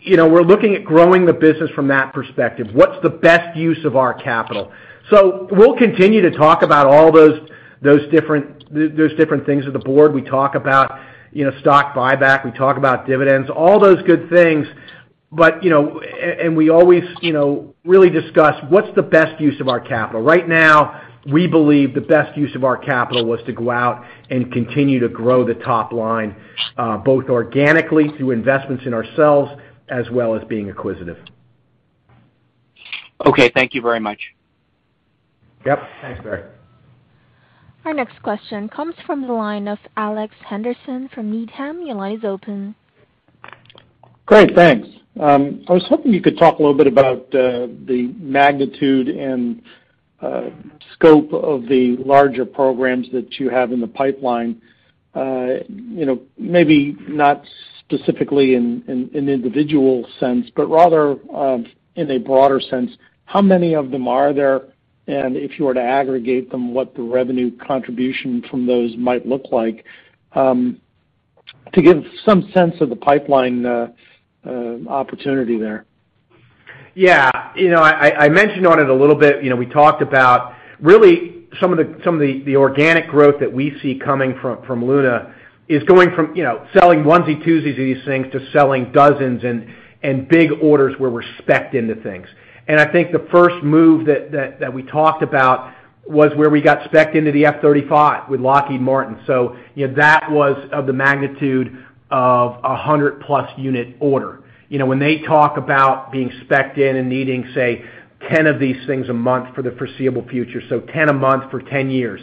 You know, we're looking at growing the business from that perspective. What's the best use of our capital? We'll continue to talk about all those different things at the board. We talk about, you know, stock buyback, we talk about dividends, all those good things. You know, and we always, you know, really discuss what's the best use of our capital. Right now, we believe the best use of our capital was to go out and continue to grow the top line, both organically through investments in ourselves as well as being acquisitive. Okay, thank you very much. Yep. Thanks, Barry. Our next question comes from the line of Alex Henderson from Needham. Your line is open. Great, thanks. I was hoping you could talk a little bit about the magnitude and scope of the larger programs that you have in the pipeline. You know, maybe not specifically in individual sense, but rather in a broader sense, how many of them are there? If you were to aggregate them, what the revenue contribution from those might look like to give some sense of the pipeline opportunity there. You know, I mentioned on it a little bit, you know, we talked about really some of the organic growth that we see coming from Luna, going from, you know, selling onesie, twosie to these things to selling dozens and big orders where we're spec into things. I think the first move that we talked about was where we got spec into the F-35 with Lockheed Martin. You know, that was of the magnitude of a 100+ unit order. You know, when they talk about being spec in and needing, say, 10 of these things a month for the foreseeable future, 10 a month for 10 years.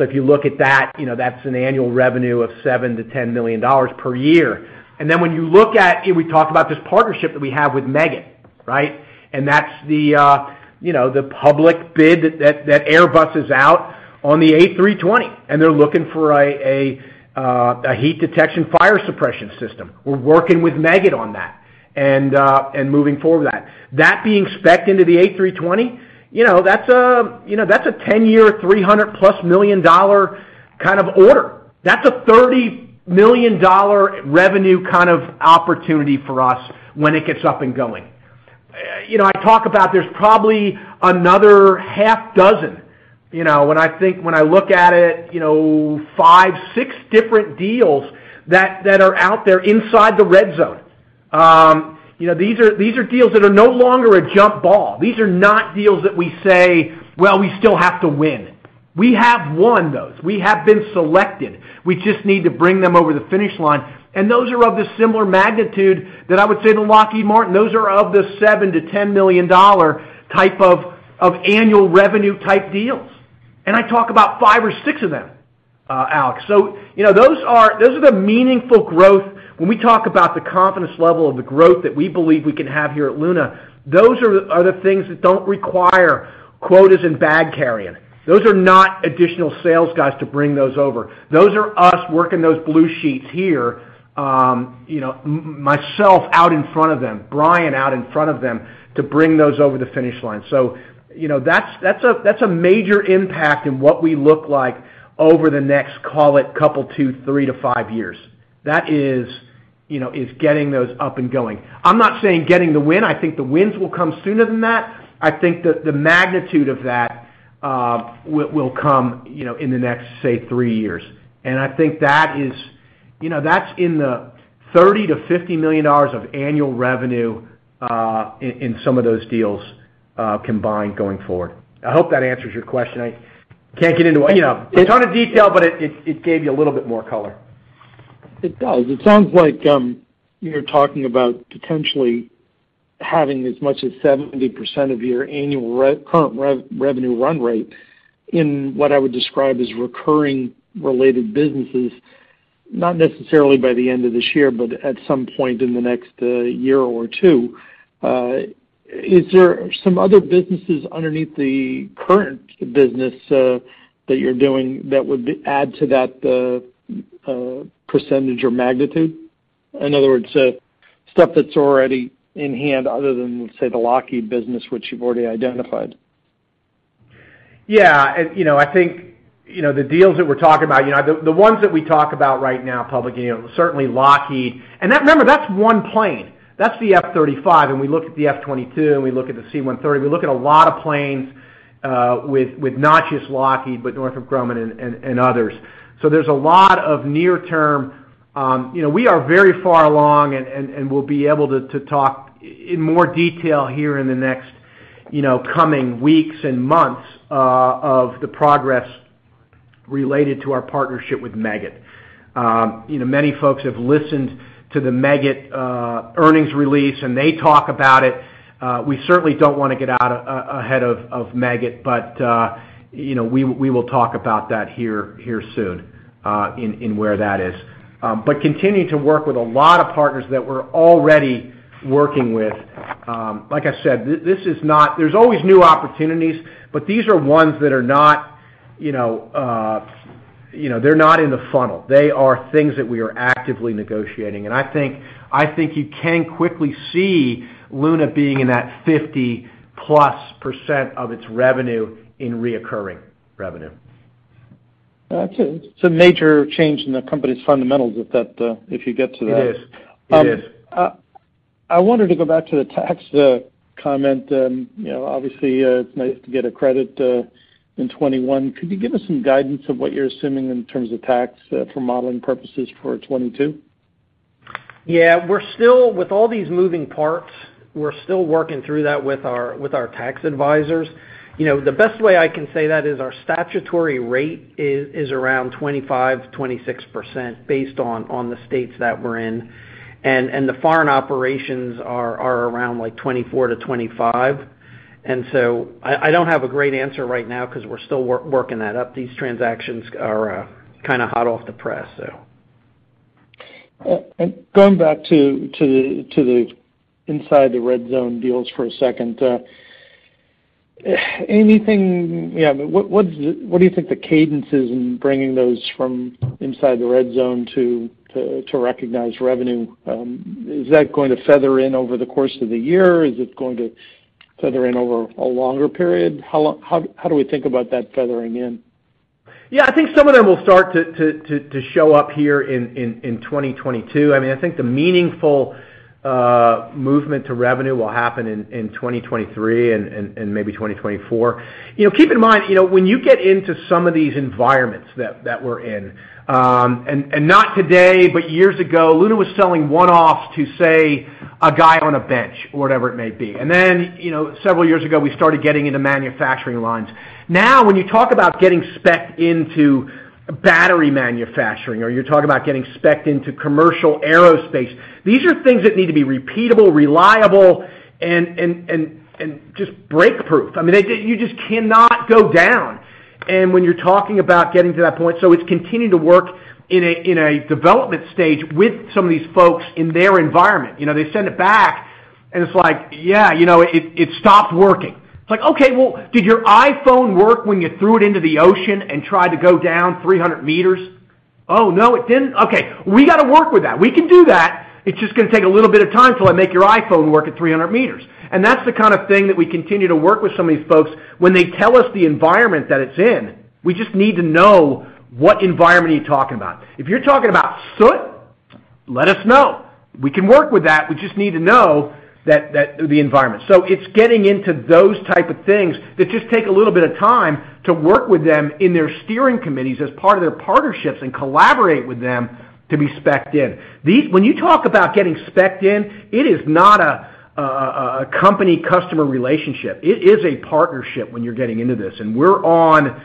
If you look at that, you know, that's an annual revenue of $7 million-$10 million per year. When you look at, you know, we talk about this partnership that we have with Meggitt, right? That's the, you know, the public bid that Airbus is out on the A320, and they're looking for a heat detection fire suppression system. We're working with Meggitt on that and moving forward with that. That being spec into the A320, you know, that's a ten-year, $300+ million kind of order. That's a $30 million revenue kind of opportunity for us when it gets up and going. You know, I talk about there's probably another half dozen, you know, when I look at it, you know, five, six different deals that are out there inside the red zone. You know, these are deals that are no longer a jump ball. These are not deals that we say, "Well, we still have to win." We have won those. We have been selected. We just need to bring them over the finish line, and those are of the similar magnitude that I would say to Lockheed Martin. Those are of the $7 million-$10 million type of annual revenue type deals. I talk about five or six of them, Alex. You know, those are the meaningful growth when we talk about the confidence level of the growth that we believe we can have here at Luna. Those are the things that don't require quotas and bag carrying. Those are not additional sales guys to bring those over. Those are us working those blue sheets here, you know, myself out in front of them, Brian out in front of them to bring those over the finish line. You know, that's a major impact in what we look like over the next, call it, couple two, three-five years. That is, you know, getting those up and going. I'm not saying getting the win. I think the wins will come sooner than that. I think that the magnitude of that will come, you know, in the next, say, three years. I think that is, you know, that's in the $30 million-$50 million of annual revenue in some of those deals combined going forward. I hope that answers your question. I can't get into, you know, a ton of detail, but it gave you a little bit more color. It does. It sounds like you're talking about potentially having as much as 70% of your annual recurring revenue run rate in what I would describe as recurring related businesses, not necessarily by the end of this year, but at some point in the next year or two. Is there some other businesses underneath the current business that you're doing that would add to that percentage or magnitude? In other words, stuff that's already in hand other than, say, the Lockheed business, which you've already identified. Yeah. You know, I think, you know, the deals that we're talking about, you know, the ones that we talk about right now publicly, you know, certainly Lockheed. That, remember, that's one plane. That's the F-35, and we look at the F-22, and we look at the C-130. We look at a lot of planes with not just Lockheed, but Northrop Grumman and others. So there's a lot of near term. You know, we are very far along and we'll be able to talk in more detail here in the next, you know, coming weeks and months of the progress related to our partnership with Meggitt. You know, many folks have listened to the Meggitt earnings release, and they talk about it. We certainly don't wanna get out ahead of Meggitt, but you know, we will talk about that here soon, in where that is. Continue to work with a lot of partners that we're already working with. Like I said, this is not. There's always new opportunities, but these are ones that are not, you know, they're not in the funnel. They are things that we are actively negotiating, and I think you can quickly see Luna being in that 50%+ of its revenue in recurring revenue. That's a major change in the company's fundamentals if that, if you get to that. It is. I wanted to go back to the tax comment. You know, obviously, it's nice to get a credit in 2021. Could you give us some guidance of what you're assuming in terms of tax for modeling purposes for 2022? Yeah. With all these moving parts, we're still working through that with our tax advisors. You know, the best way I can say that is our statutory rate is around 25-26% based on the states that we're in. The foreign operations are around, like, 24%-25%. I don't have a great answer right now 'cause we're still working that up. These transactions are kinda hot off the press, so. Going back to the inside the red zone deals for a second, but what do you think the cadence is in bringing those from inside the red zone to recognize revenue? Is that going to feather in over the course of the year? Is it going to feather in over a longer period? How do we think about that feathering in? Yeah. I think some of them will start to show up here in 2022. I mean, I think the meaningful movement to revenue will happen in 2023 and maybe 2024. You know, keep in mind, you know, when you get into some of these environments that we're in, and not today, but years ago, Luna was selling one-offs to, say, a guy on a bench or whatever it may be. Then, you know, several years ago, we started getting into manufacturing lines. Now when you talk about getting spec'd into battery manufacturing or you're talking about getting spec'd into commercial aerospace, these are things that need to be repeatable, reliable, and just break proof. I mean, you just cannot go down. When you're talking about getting to that point, so it's continuing to work in a development stage with some of these folks in their environment. You know, they send it back, and it's like, "Yeah, you know, it stopped working." It's like, "Okay, well, did your iPhone work when you threw it into the ocean and tried to go down 300 meters?" "Oh, no, it didn't." "Okay, we gotta work with that. We can do that. It's just gonna take a little bit of time till I make your iPhone work at 300 meters." That's the kind of thing that we continue to work with some of these folks. When they tell us the environment that it's in, we just need to know what environment are you talking about. If you're talking about soot, let us know. We can work with that. We just need to know that the environment. It's getting into those types of things that just take a little bit of time to work with them in their steering committees as part of their partnerships and collaborate with them to be spec'd in. When you talk about getting spec'd in, it is not a company customer relationship. It is a partnership when you're getting into this. We're on,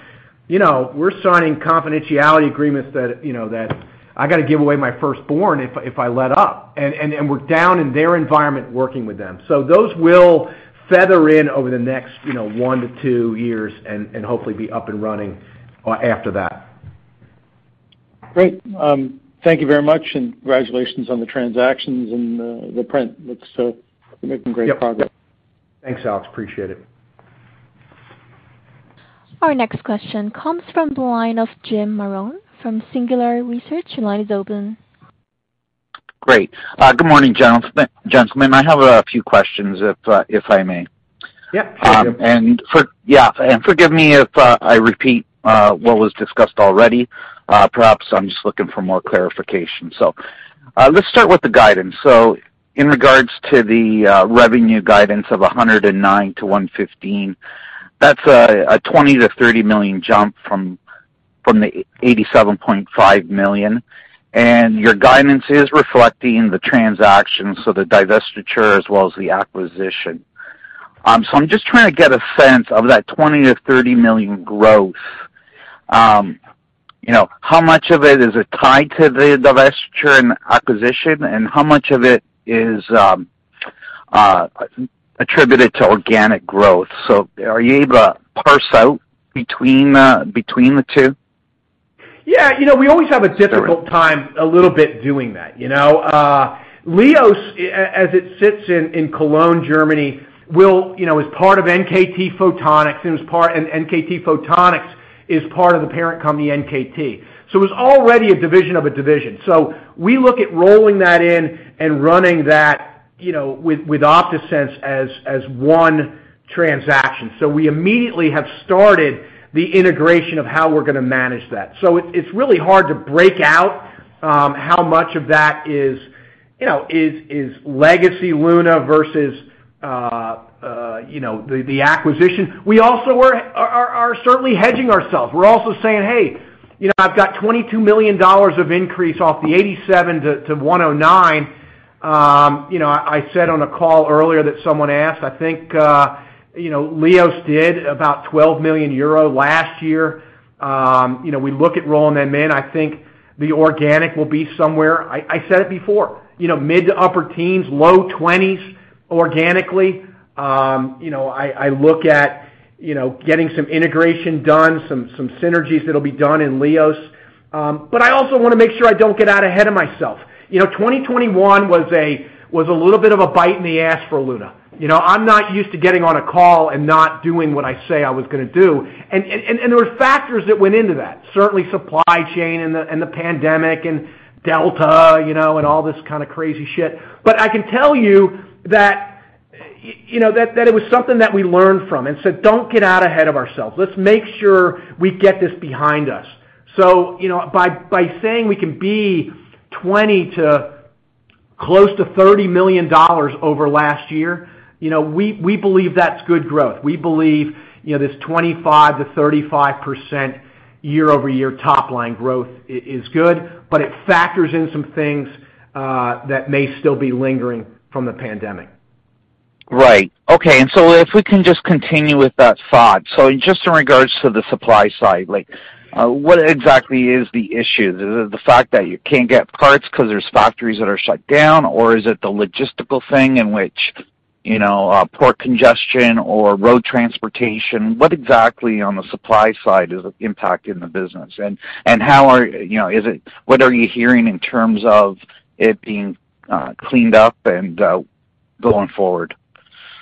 you know, we're signing confidentiality agreements that, you know, that I gotta give away my firstborn if I let up, and we're down in their environment working with them. Those will feather in over the next, you know, one-two years and hopefully be up and running after that. Great. Thank you very much, and congratulations on the transactions and the print. Yep. You're making great progress. Thanks, Alex. Appreciate it. Our next question comes from the line of Jim Marrone from Singular Research. Your line is open. Great. Good morning, gentlemen. I have a few questions if I may. Yeah. Sure, Jim. Forgive me if I repeat what was discussed already. Perhaps I'm just looking for more clarification. Let's start with the guidance. In regards to the revenue guidance of $109 million-$115 million, that's a $20 million-$30 million jump from the $87.5 million. Your guidance is reflecting the transactions, so the divestiture as well as the acquisition. I'm just trying to get a sense of that $20 million-$30 million growth. You know, how much of it is tied to the divestiture and acquisition, and how much of it is attributed to organic growth? Are you able to parse out between the two? Yeah. You know, we always have a difficult time a little bit doing that, you know? LIOS, as it sits in Cologne, Germany, will, you know, as part of NKT Photonics, and NKT Photonics is part of the parent company, NKT. It's already a division of a division. We look at rolling that in and running that, you know, with OptaSense as one transaction. We immediately have started the integration of how we're gonna manage that. It's really hard to break out how much of that is, you know, legacy Luna versus, you know, the acquisition. We also are certainly hedging ourselves. We're also saying, "Hey, you know, I've got $22 million of increase off the $87 million-$109 million." You know, I said on a call earlier that someone asked, I think, you know, LIOS did about 12 million euro last year. You know, we look at rolling them in. I think the organic will be somewhere, I said it before, you know, mid- to upper-teens, low-20s organically. You know, I look at getting some integration done, some synergies that'll be done in LIOS. But I also wanna make sure I don't get out ahead of myself. You know, 2021 was a little bit of a bite in the ass for Luna. You know, I'm not used to getting on a call and not doing what I say I was gonna do. There were factors that went into that, certainly supply chain and the pandemic and Delta, you know, and all this kind of crazy shit. I can tell you that you know, that it was something that we learned from. Don't get out ahead of ourselves. Let's make sure we get this behind us. You know, by saying we can be $20 million to close to $30 million over last year, you know, we believe that's good growth. We believe, you know, this 25%-35% year-over-year top line growth is good, but it factors in some things that may still be lingering from the pandemic. Right. Okay. If we can just continue with that thought. Just in regards to the supply side, like, what exactly is the issue? Is it the fact that you can't get parts 'cause there's factories that are shut down, or is it the logistical thing in which, you know, port congestion or road transportation? What exactly on the supply side is impacting the business? How are you hearing in terms of it being cleaned up and going forward?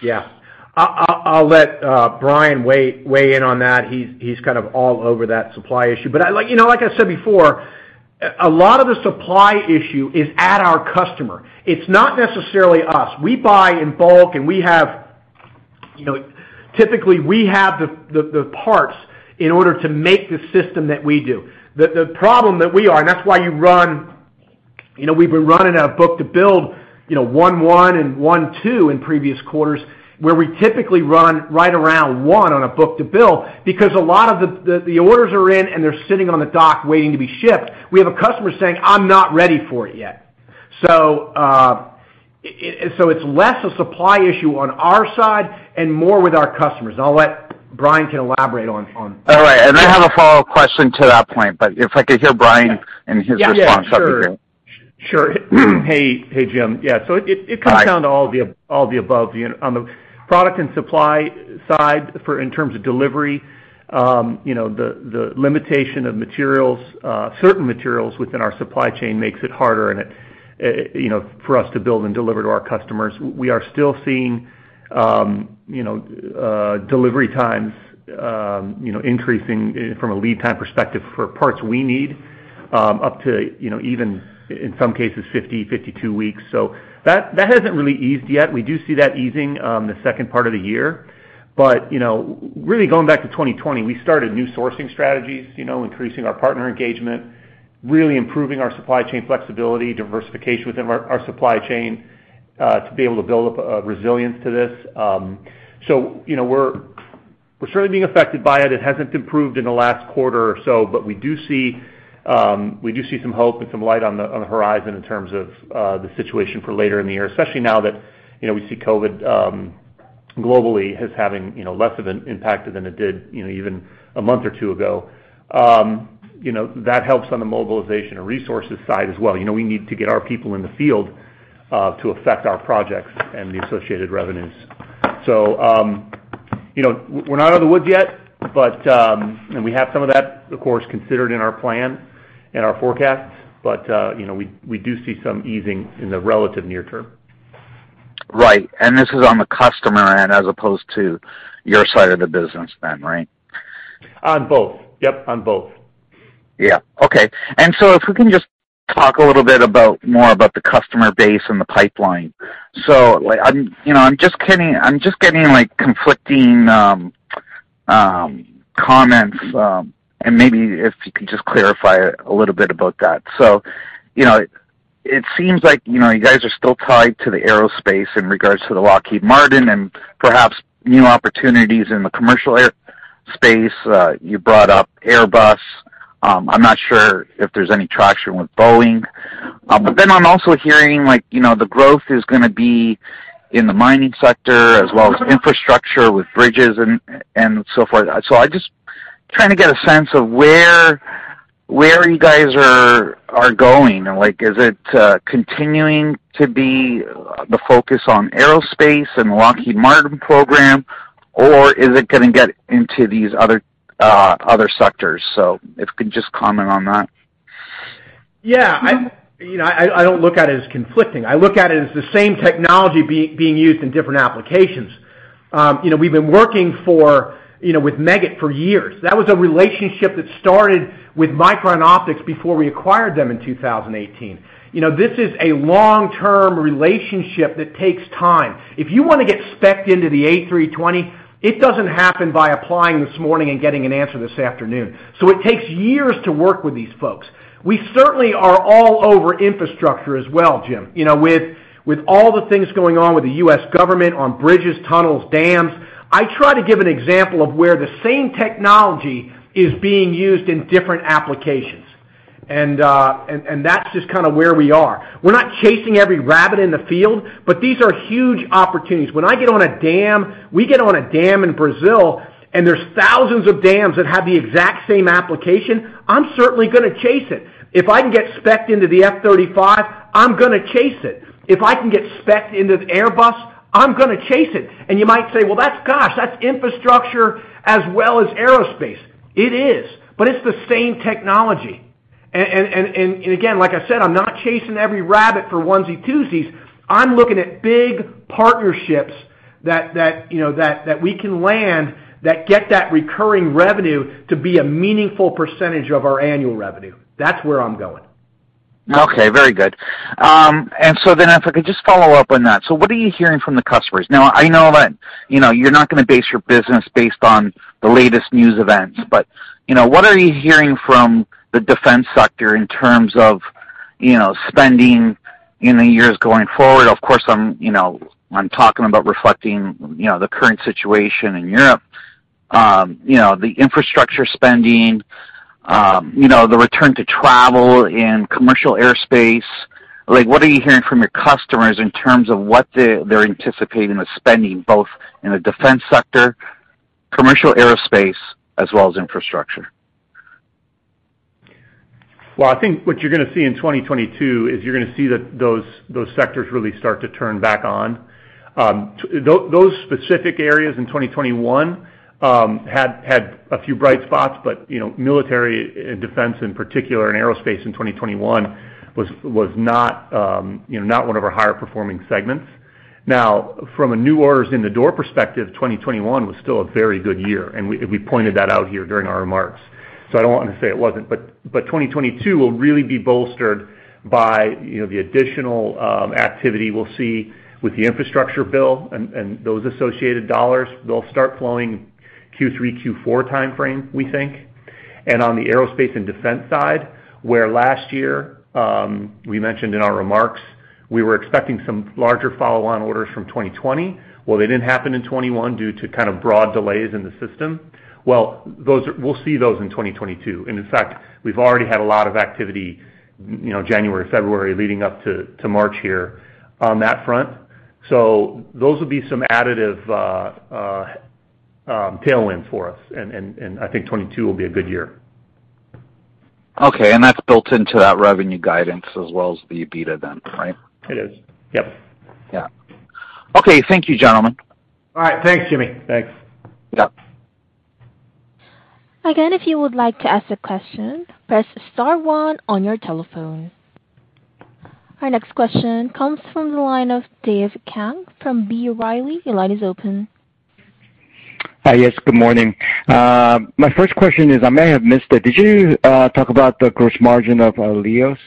Yeah. I'll let Brian weigh in on that. He's kind of all over that supply issue. I like, you know, like I said before, a lot of the supply issue is at our customer. It's not necessarily us. We buy in bulk. You know, typically, we have the parts in order to make the system that we do. The problem that we are, and that's why you run. You know, we've been running a book-to-bill, you know, 1.1 and 1.2 in previous quarters, where we typically run right around one on a book-to-bill because a lot of the orders are in, and they're sitting on the dock waiting to be shipped. We have a customer saying, "I'm not ready for it yet." It. It's less a supply issue on our side and more with our customers. I'll let Brian elaborate on. All right. I have a follow-up question to that point, but if I could hear Brian and his response that'd be great. Yeah, sure. Hey, Jim. Yeah. So it comes. Hi. Down to all the above. You know, on the product and supply side, in terms of delivery, the limitation of certain materials within our supply chain makes it harder for us to build and deliver to our customers. We are still seeing delivery times increasing from a lead time perspective for parts we need up to even in some cases 52 weeks. That hasn't really eased yet. We do see that easing the second part of the year. You know, really going back to 2020, we started new sourcing strategies, you know, increasing our partner engagement, really improving our supply chain flexibility, diversification within our supply chain to be able to build up a resilience to this. You know, we're certainly being affected by it. It hasn't improved in the last quarter or so, but we do see some hope and some light on the horizon in terms of the situation for later in the year, especially now that, you know, we see COVID globally as having, you know, less of an impact than it did, you know, even a month or two ago. You know, that helps on the mobilization and resources side as well. You know, we need to get our people in the field to affect our projects and the associated revenues. You know, we're not out of the woods yet, but we have some of that, of course, considered in our plan and our forecasts. You know, we do see some easing in the relative near term. Right. This is on the customer end, as opposed to your side of the business then, right? On both. Yep, on both. Yeah. Okay. If we can just talk a little bit about more about the customer base and the pipeline. Like, you know, I'm just getting like conflicting comments, and maybe if you could just clarify a little bit about that. You know, it seems like, you know, you guys are still tied to the aerospace in regards to Lockheed Martin and perhaps new opportunities in the commercial airspace. You brought up Airbus. I'm not sure if there's any traction with Boeing. But then I'm also hearing like, you know, the growth is gonna be in the mining sector as well as infrastructure with bridges and so forth. I just trying to get a sense of where you guys are going. Like, is it continuing to be the focus on aerospace and Lockheed Martin program, or is it gonna get into these other sectors? If you could just comment on that. Yeah. You know, I don't look at it as conflicting. I look at it as the same technology being used in different applications. You know, we've been working with Meggitt for years. That was a relationship that started with Micron Optics before we acquired them in 2018. You know, this is a long-term relationship that takes time. If you wanna get spec'd into the A320, it doesn't happen by applying this morning and getting an answer this afternoon. It takes years to work with these folks. We certainly are all over infrastructure as well, Jim. You know, with all the things going on with the U.S. government on bridges, tunnels, dams, I try to give an example of where the same technology is being used in different applications. That's just kinda where we are. We're not chasing every rabbit in the field, but these are huge opportunities. When I get on a dam, we get on a dam in Brazil, and there's thousands of dams that have the exact same application, I'm certainly gonna chase it. If I can get spec'd into the F-35, I'm gonna chase it. If I can get spec'd into the Airbus, I'm gonna chase it. You might say, "Well, that's gosh, that's infrastructure as well as aerospace." It is, but it's the same technology. Again, like I said, I'm not chasing every rabbit for onesie, twosies. I'm looking at big partnerships that you know that we can land that get that recurring revenue to be a meaningful percentage of our annual revenue. That's where I'm going. Okay, very good. If I could just follow up on that. What are you hearing from the customers? Now, I know that, you know, you're not gonna base your business based on the latest news events, but, you know, what are you hearing from the defense sector in terms of, you know, spending in the years going forward? Of course, I'm, you know, I'm talking about reflecting, you know, the current situation in Europe. You know, the infrastructure spending, you know, the return to travel and commercial aerospace. Like, what are you hearing from your customers in terms of what they're anticipating the spending both in the defense sector, commercial aerospace, as well as infrastructure? Well, I think what you're gonna see in 2022 is you're gonna see that those sectors really start to turn back on. Those specific areas in 2021 had a few bright spots, but you know, military and defense in particular and aerospace in 2021 was not you know, not one of our higher performing segments. Now, from a new orders in the door perspective, 2021 was still a very good year, and we pointed that out here during our remarks. I don't want to say it wasn't. 2022 will really be bolstered by you know, the additional activity we'll see with the infrastructure bill and those associated dollars. They'll start flowing Q3, Q4 timeframe, we think. On the aerospace and defense side, where last year we mentioned in our remarks we were expecting some larger follow-on orders from 2020. They didn't happen in 2021 due to kind of broad delays in the system. We'll see those in 2022. In fact, we've already had a lot of activity, you know, January, February leading up to March here on that front. Those will be some additive tailwind for us. I think 2022 will be a good year. Okay. That's built into that revenue guidance as well as the EBITDA then, right? It is. Yep. Yeah. Okay. Thank you, gentlemen. All right. Thanks, Jim. Thanks. Yep. Again, if you would like to ask a question, press star one on your telephone. Our next question comes from the line of Dave Kang from B. Riley. Your line is open. Hi. Yes, good morning. My first question is, I may have missed it. Did you talk about the gross margin of LIOS?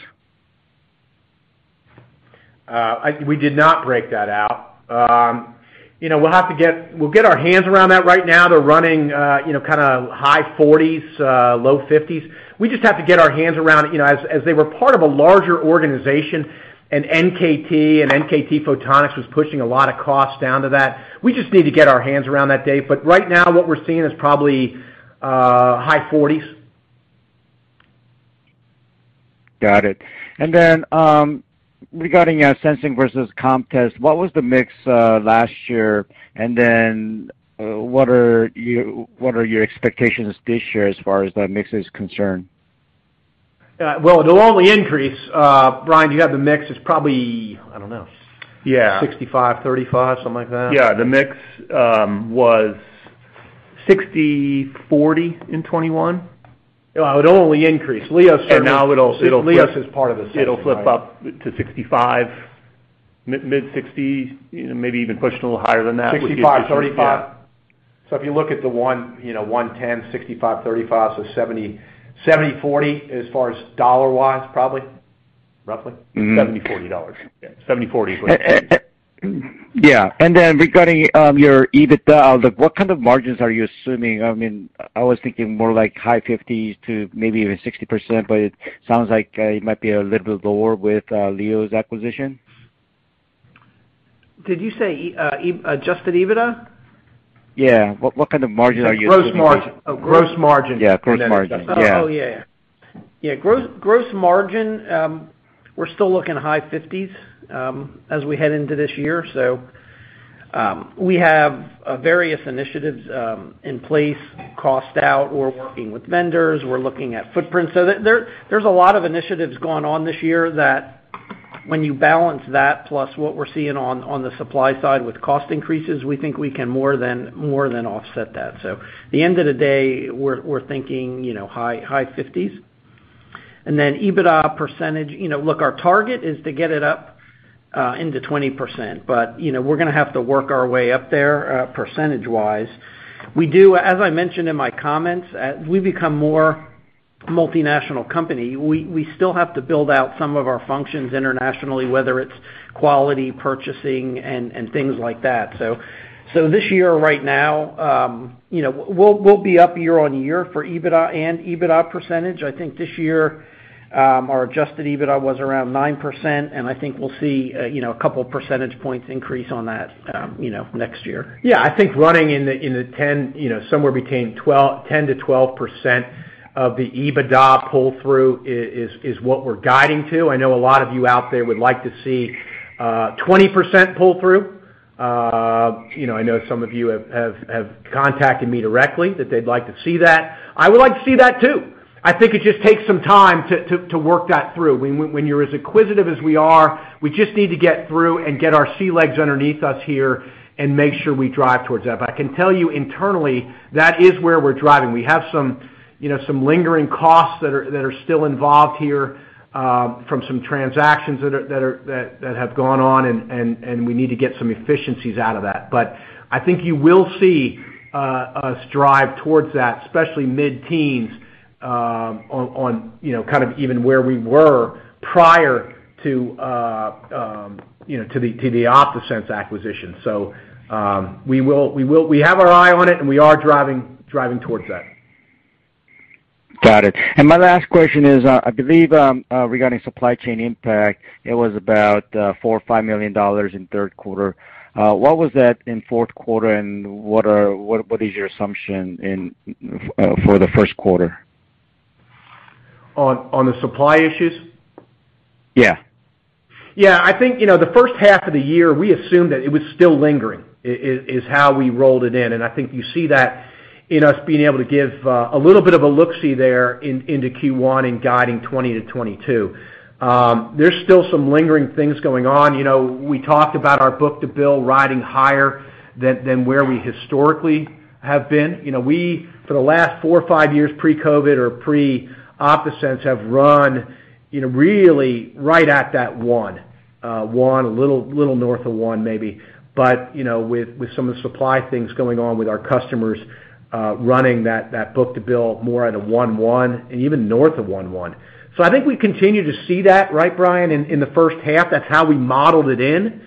We did not break that out. You know, we'll have to get our hands around that. Right now, they're running, you know, kinda high 40s%-low 50s%. We just have to get our hands around, you know, as they were part of a larger organization and NKT and NKT Photonics was pushing a lot of costs down to that. We just need to get our hands around that, Dave. Right now, what we're seeing is probably high 40s%. Got it. Regarding our sensing versus Lightwave, what was the mix last year? What are your expectations this year as far as that mix is concerned? Well, it'll only increase. Brian, do you have the mix? It's probably, I don't know. Yeah. 65, 35, something like that. Yeah. The mix was 60/40 in 2021. It would only increase. Now it'll flip. LIOS's is part of the mix. It'll flip up to 65, mid-60s, you know, maybe even pushing a little higher than that with the initiatives. 65, 35. Yeah. If you look at the 1, you know, 110, 65, 35, so 70/40 as far as dollar-wise, probably. Roughly. Mm-hmm. 70, $40. Yeah. 70/40 is what I meant. Yeah. Regarding your EBITDA, like, what kind of margins are you assuming? I mean, I was thinking more like high 50s to maybe even 60%, but it sounds like it might be a little bit lower with LIOS's acquisition. Did you say, adjusted EBITDA? Yeah. What kind of margin are you assuming? Gross margin. Oh, gross margin. Yeah, gross margin. Yeah. Yeah. Gross margin, we're still looking high 50s% as we head into this year. We have various initiatives in place, cost out. We're working with vendors. We're looking at footprint. There's a lot of initiatives going on this year that when you balance that plus what we're seeing on the supply side with cost increases, we think we can more than offset that. At the end of the day, we're thinking, you know, high 50s%. EBITDA percentage, you know, look, our target is to get it up into 20%, but, you know, we're gonna have to work our way up there percentage-wise. As I mentioned in my comments, we've become a more multinational company. We still have to build out some of our functions internationally, whether it's quality, purchasing and things like that. This year right now, you know, we'll be up year-over-year for EBITDA and EBITDA percentage. I think this year, our adjusted EBITDA was around 9%, and I think we'll see, you know, a couple percentage points increase on that, you know, next year. Yeah. I think running in the ten, you know, somewhere between 10%-12% of the EBITDA pull-through is what we're guiding to. I know a lot of you out there would like to see 20% pull-through. You know, I know some of you have contacted me directly that they'd like to see that. I would like to see that too. I think it just takes some time to work that through. When you're as acquisitive as we are, we just need to get through and get our sea legs underneath us here and make sure we drive towards that. I can tell you internally that is where we're driving. We have some, you know, some lingering costs that are still involved here, from some transactions that have gone on and we need to get some efficiencies out of that. I think you will see us drive towards that, especially mid-teens%, on, you know, kind of even where we were prior to, you know, to the OptaSense acquisition. We have our eye on it, and we are driving towards that. Got it. My last question is, I believe, regarding supply chain impact, it was about $4-$5 million in third quarter. What was that in fourth quarter, and what is your assumption in for the first quarter? On the supply issues? Yeah. I think, you know, the first half of the year, we assumed that it was still lingering, is how we rolled it in. I think you see that in us being able to give a little bit of a look-see there into Q1 in guiding $20-$22 million. There's still some lingering things going on. You know, we talked about our book-to-bill riding higher than where we historically have been. You know, we, for the last four- or five-years pre-COVID or pre-OptaSense, have run, you know, really right at that one, a little north of one maybe. You know, with some of the supply things going on with our customers, running that book-to-bill more at a 1:1 and even north of 1:1. I think we continue to see that, right, Brian, in the first half. That's how we modeled it in.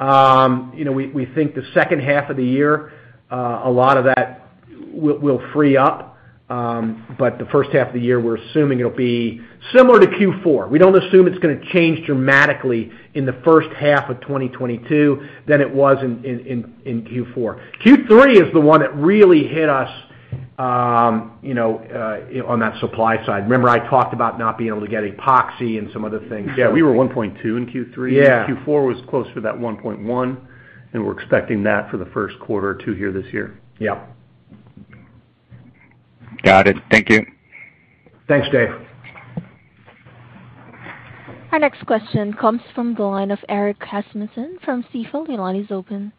You know, we think the second half of the year, a lot of that will free up. The first half of the year, we're assuming it'll be similar to Q4. We don't assume it's gonna change dramatically in the first half of 2022 than it was in Q4. Q3 is the one that really hit us, you know, on that supply side. Remember I talked about not being able to get epoxy and some other things. Yeah, we were 1.2 in Q3. Yeah. Q4 was closer to that 1.1, and we're expecting that for the first quarter or two here this year. Yep. Got it. Thank you. Thanks, Dave. Our next question comes from the line of Erik Rasmussen from Stifel. Your line is open.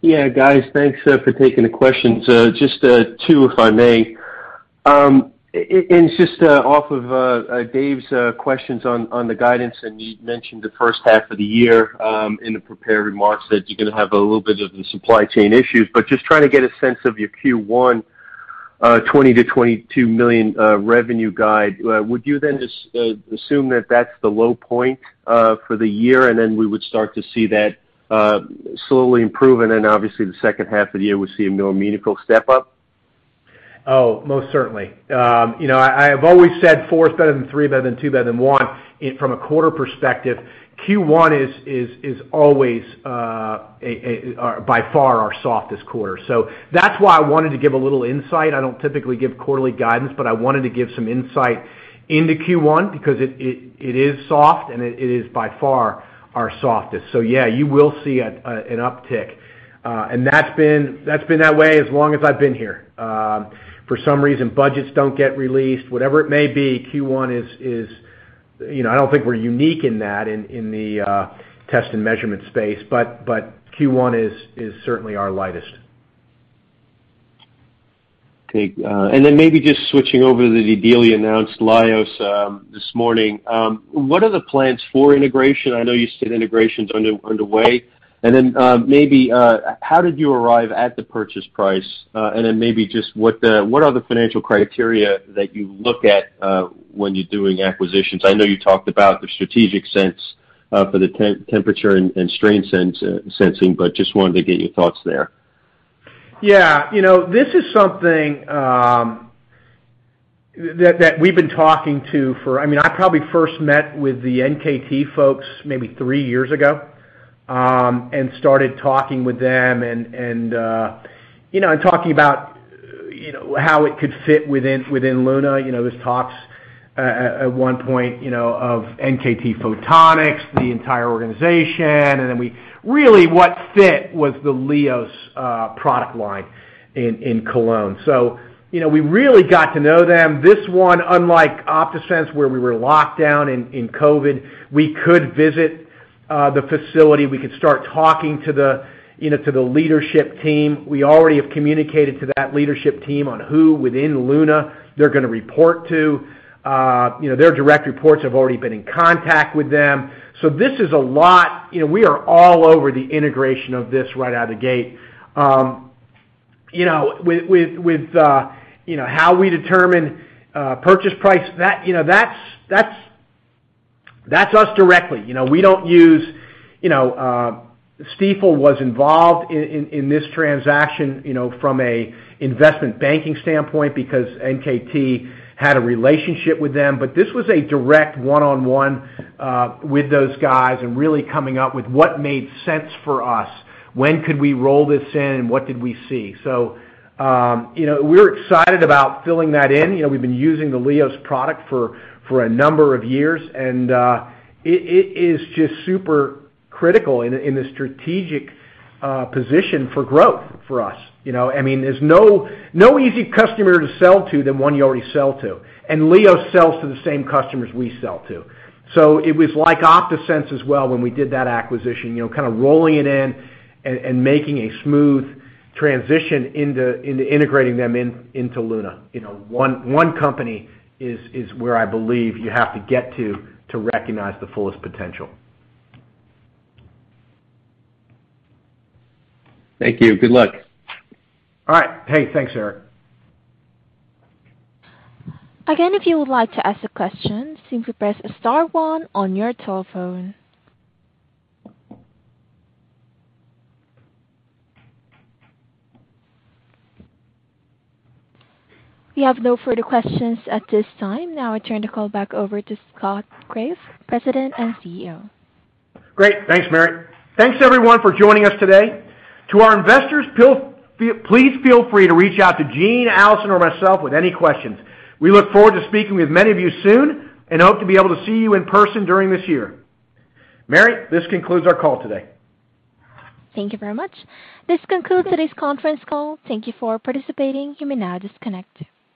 Yeah, guys, thanks for taking the questions. Just two, if I may. Just off of Dave's questions on the guidance, and you mentioned the first half of the year in the prepared remarks that you're gonna have a little bit of the supply chain issues, but just trying to get a sense of your Q1 $20 million-$22 million revenue guide. Would you then assume that that's the low point for the year, and then we would start to see that slowly improve, and then obviously the second half of the year we'll see a more meaningful step up? Oh, most certainly. You know, I've always said four is better than three, better than two, better than one. From a quarter perspective, Q1 is always by far our softest quarter. That's why I wanted to give a little insight. I don't typically give quarterly guidance, but I wanted to give some insight into Q1 because it is soft and it is by far our softest. Yeah, you will see an uptick. That's been that way as long as I've been here. For some reason, budgets don't get released. Whatever it may be, Q1 is. You know, I don't think we're unique in that in the test and measurement space, but Q1 is certainly our lightest. Okay, maybe just switching over to the deal you announced, LIOS, this morning. What are the plans for integration? I know you said integration's underway. Maybe how did you arrive at the purchase price? Maybe just what are the financial criteria that you look at, when you're doing acquisitions? I know you talked about the strategic sense, for the temperature and strain sensing, but just wanted to get your thoughts there. Yeah. You know, this is something that we've been talking to. I mean, I probably first met with the NKT folks maybe three years ago, and started talking with them and you know, and talking about you know, how it could fit within Luna. You know, there's talks at one point, you know, of NKT Photonics, the entire organization. Really what fit was the LIOS product line in Cologne. You know, we really got to know them. This one, unlike OptaSense, where we were locked down in COVID, we could visit the facility. We could start talking to the leadership team. We already have communicated to that leadership team on who within Luna they're gonna report to. You know, their direct reports have already been in contact with them. This is a lot. You know, we are all over the integration of this right out of the gate. You know, with how we determine purchase price, that, you know, that's us directly. You know, we don't use. Stifel was involved in this transaction, you know, from an investment banking standpoint because NKT had a relationship with them. This was a direct one-on-one with those guys and really coming up with what made sense for us. When could we roll this in, and what did we see? You know, we're excited about filling that in. You know, we've been using the LIOS product for a number of years, and it is just super critical in the strategic position for growth for us. You know, I mean, there's no easy customer to sell to than one you already sell to, and LIOS sells to the same customers we sell to. It was like OptaSense as well when we did that acquisition, you know, kind of rolling it in and making a smooth transition into integrating them into Luna. You know, one company is where I believe you have to get to to recognize the fullest potential. Thank you. Good luck. All right. Hey, thanks, Eric. Again, if you would like to ask a question, simply press star one on your telephone. We have no further questions at this time. Now I turn the call back over to Scott Graeff, President and CEO. Great. Thanks, Mary. Thanks everyone for joining us today. To our investors, please feel free to reach out to Gene, Allison, or myself with any questions. We look forward to speaking with many of you soon and hope to be able to see you in person during this year. Mary, this concludes our call today. Thank you very much. This concludes today's conference call. Thank you for participating. You may now disconnect.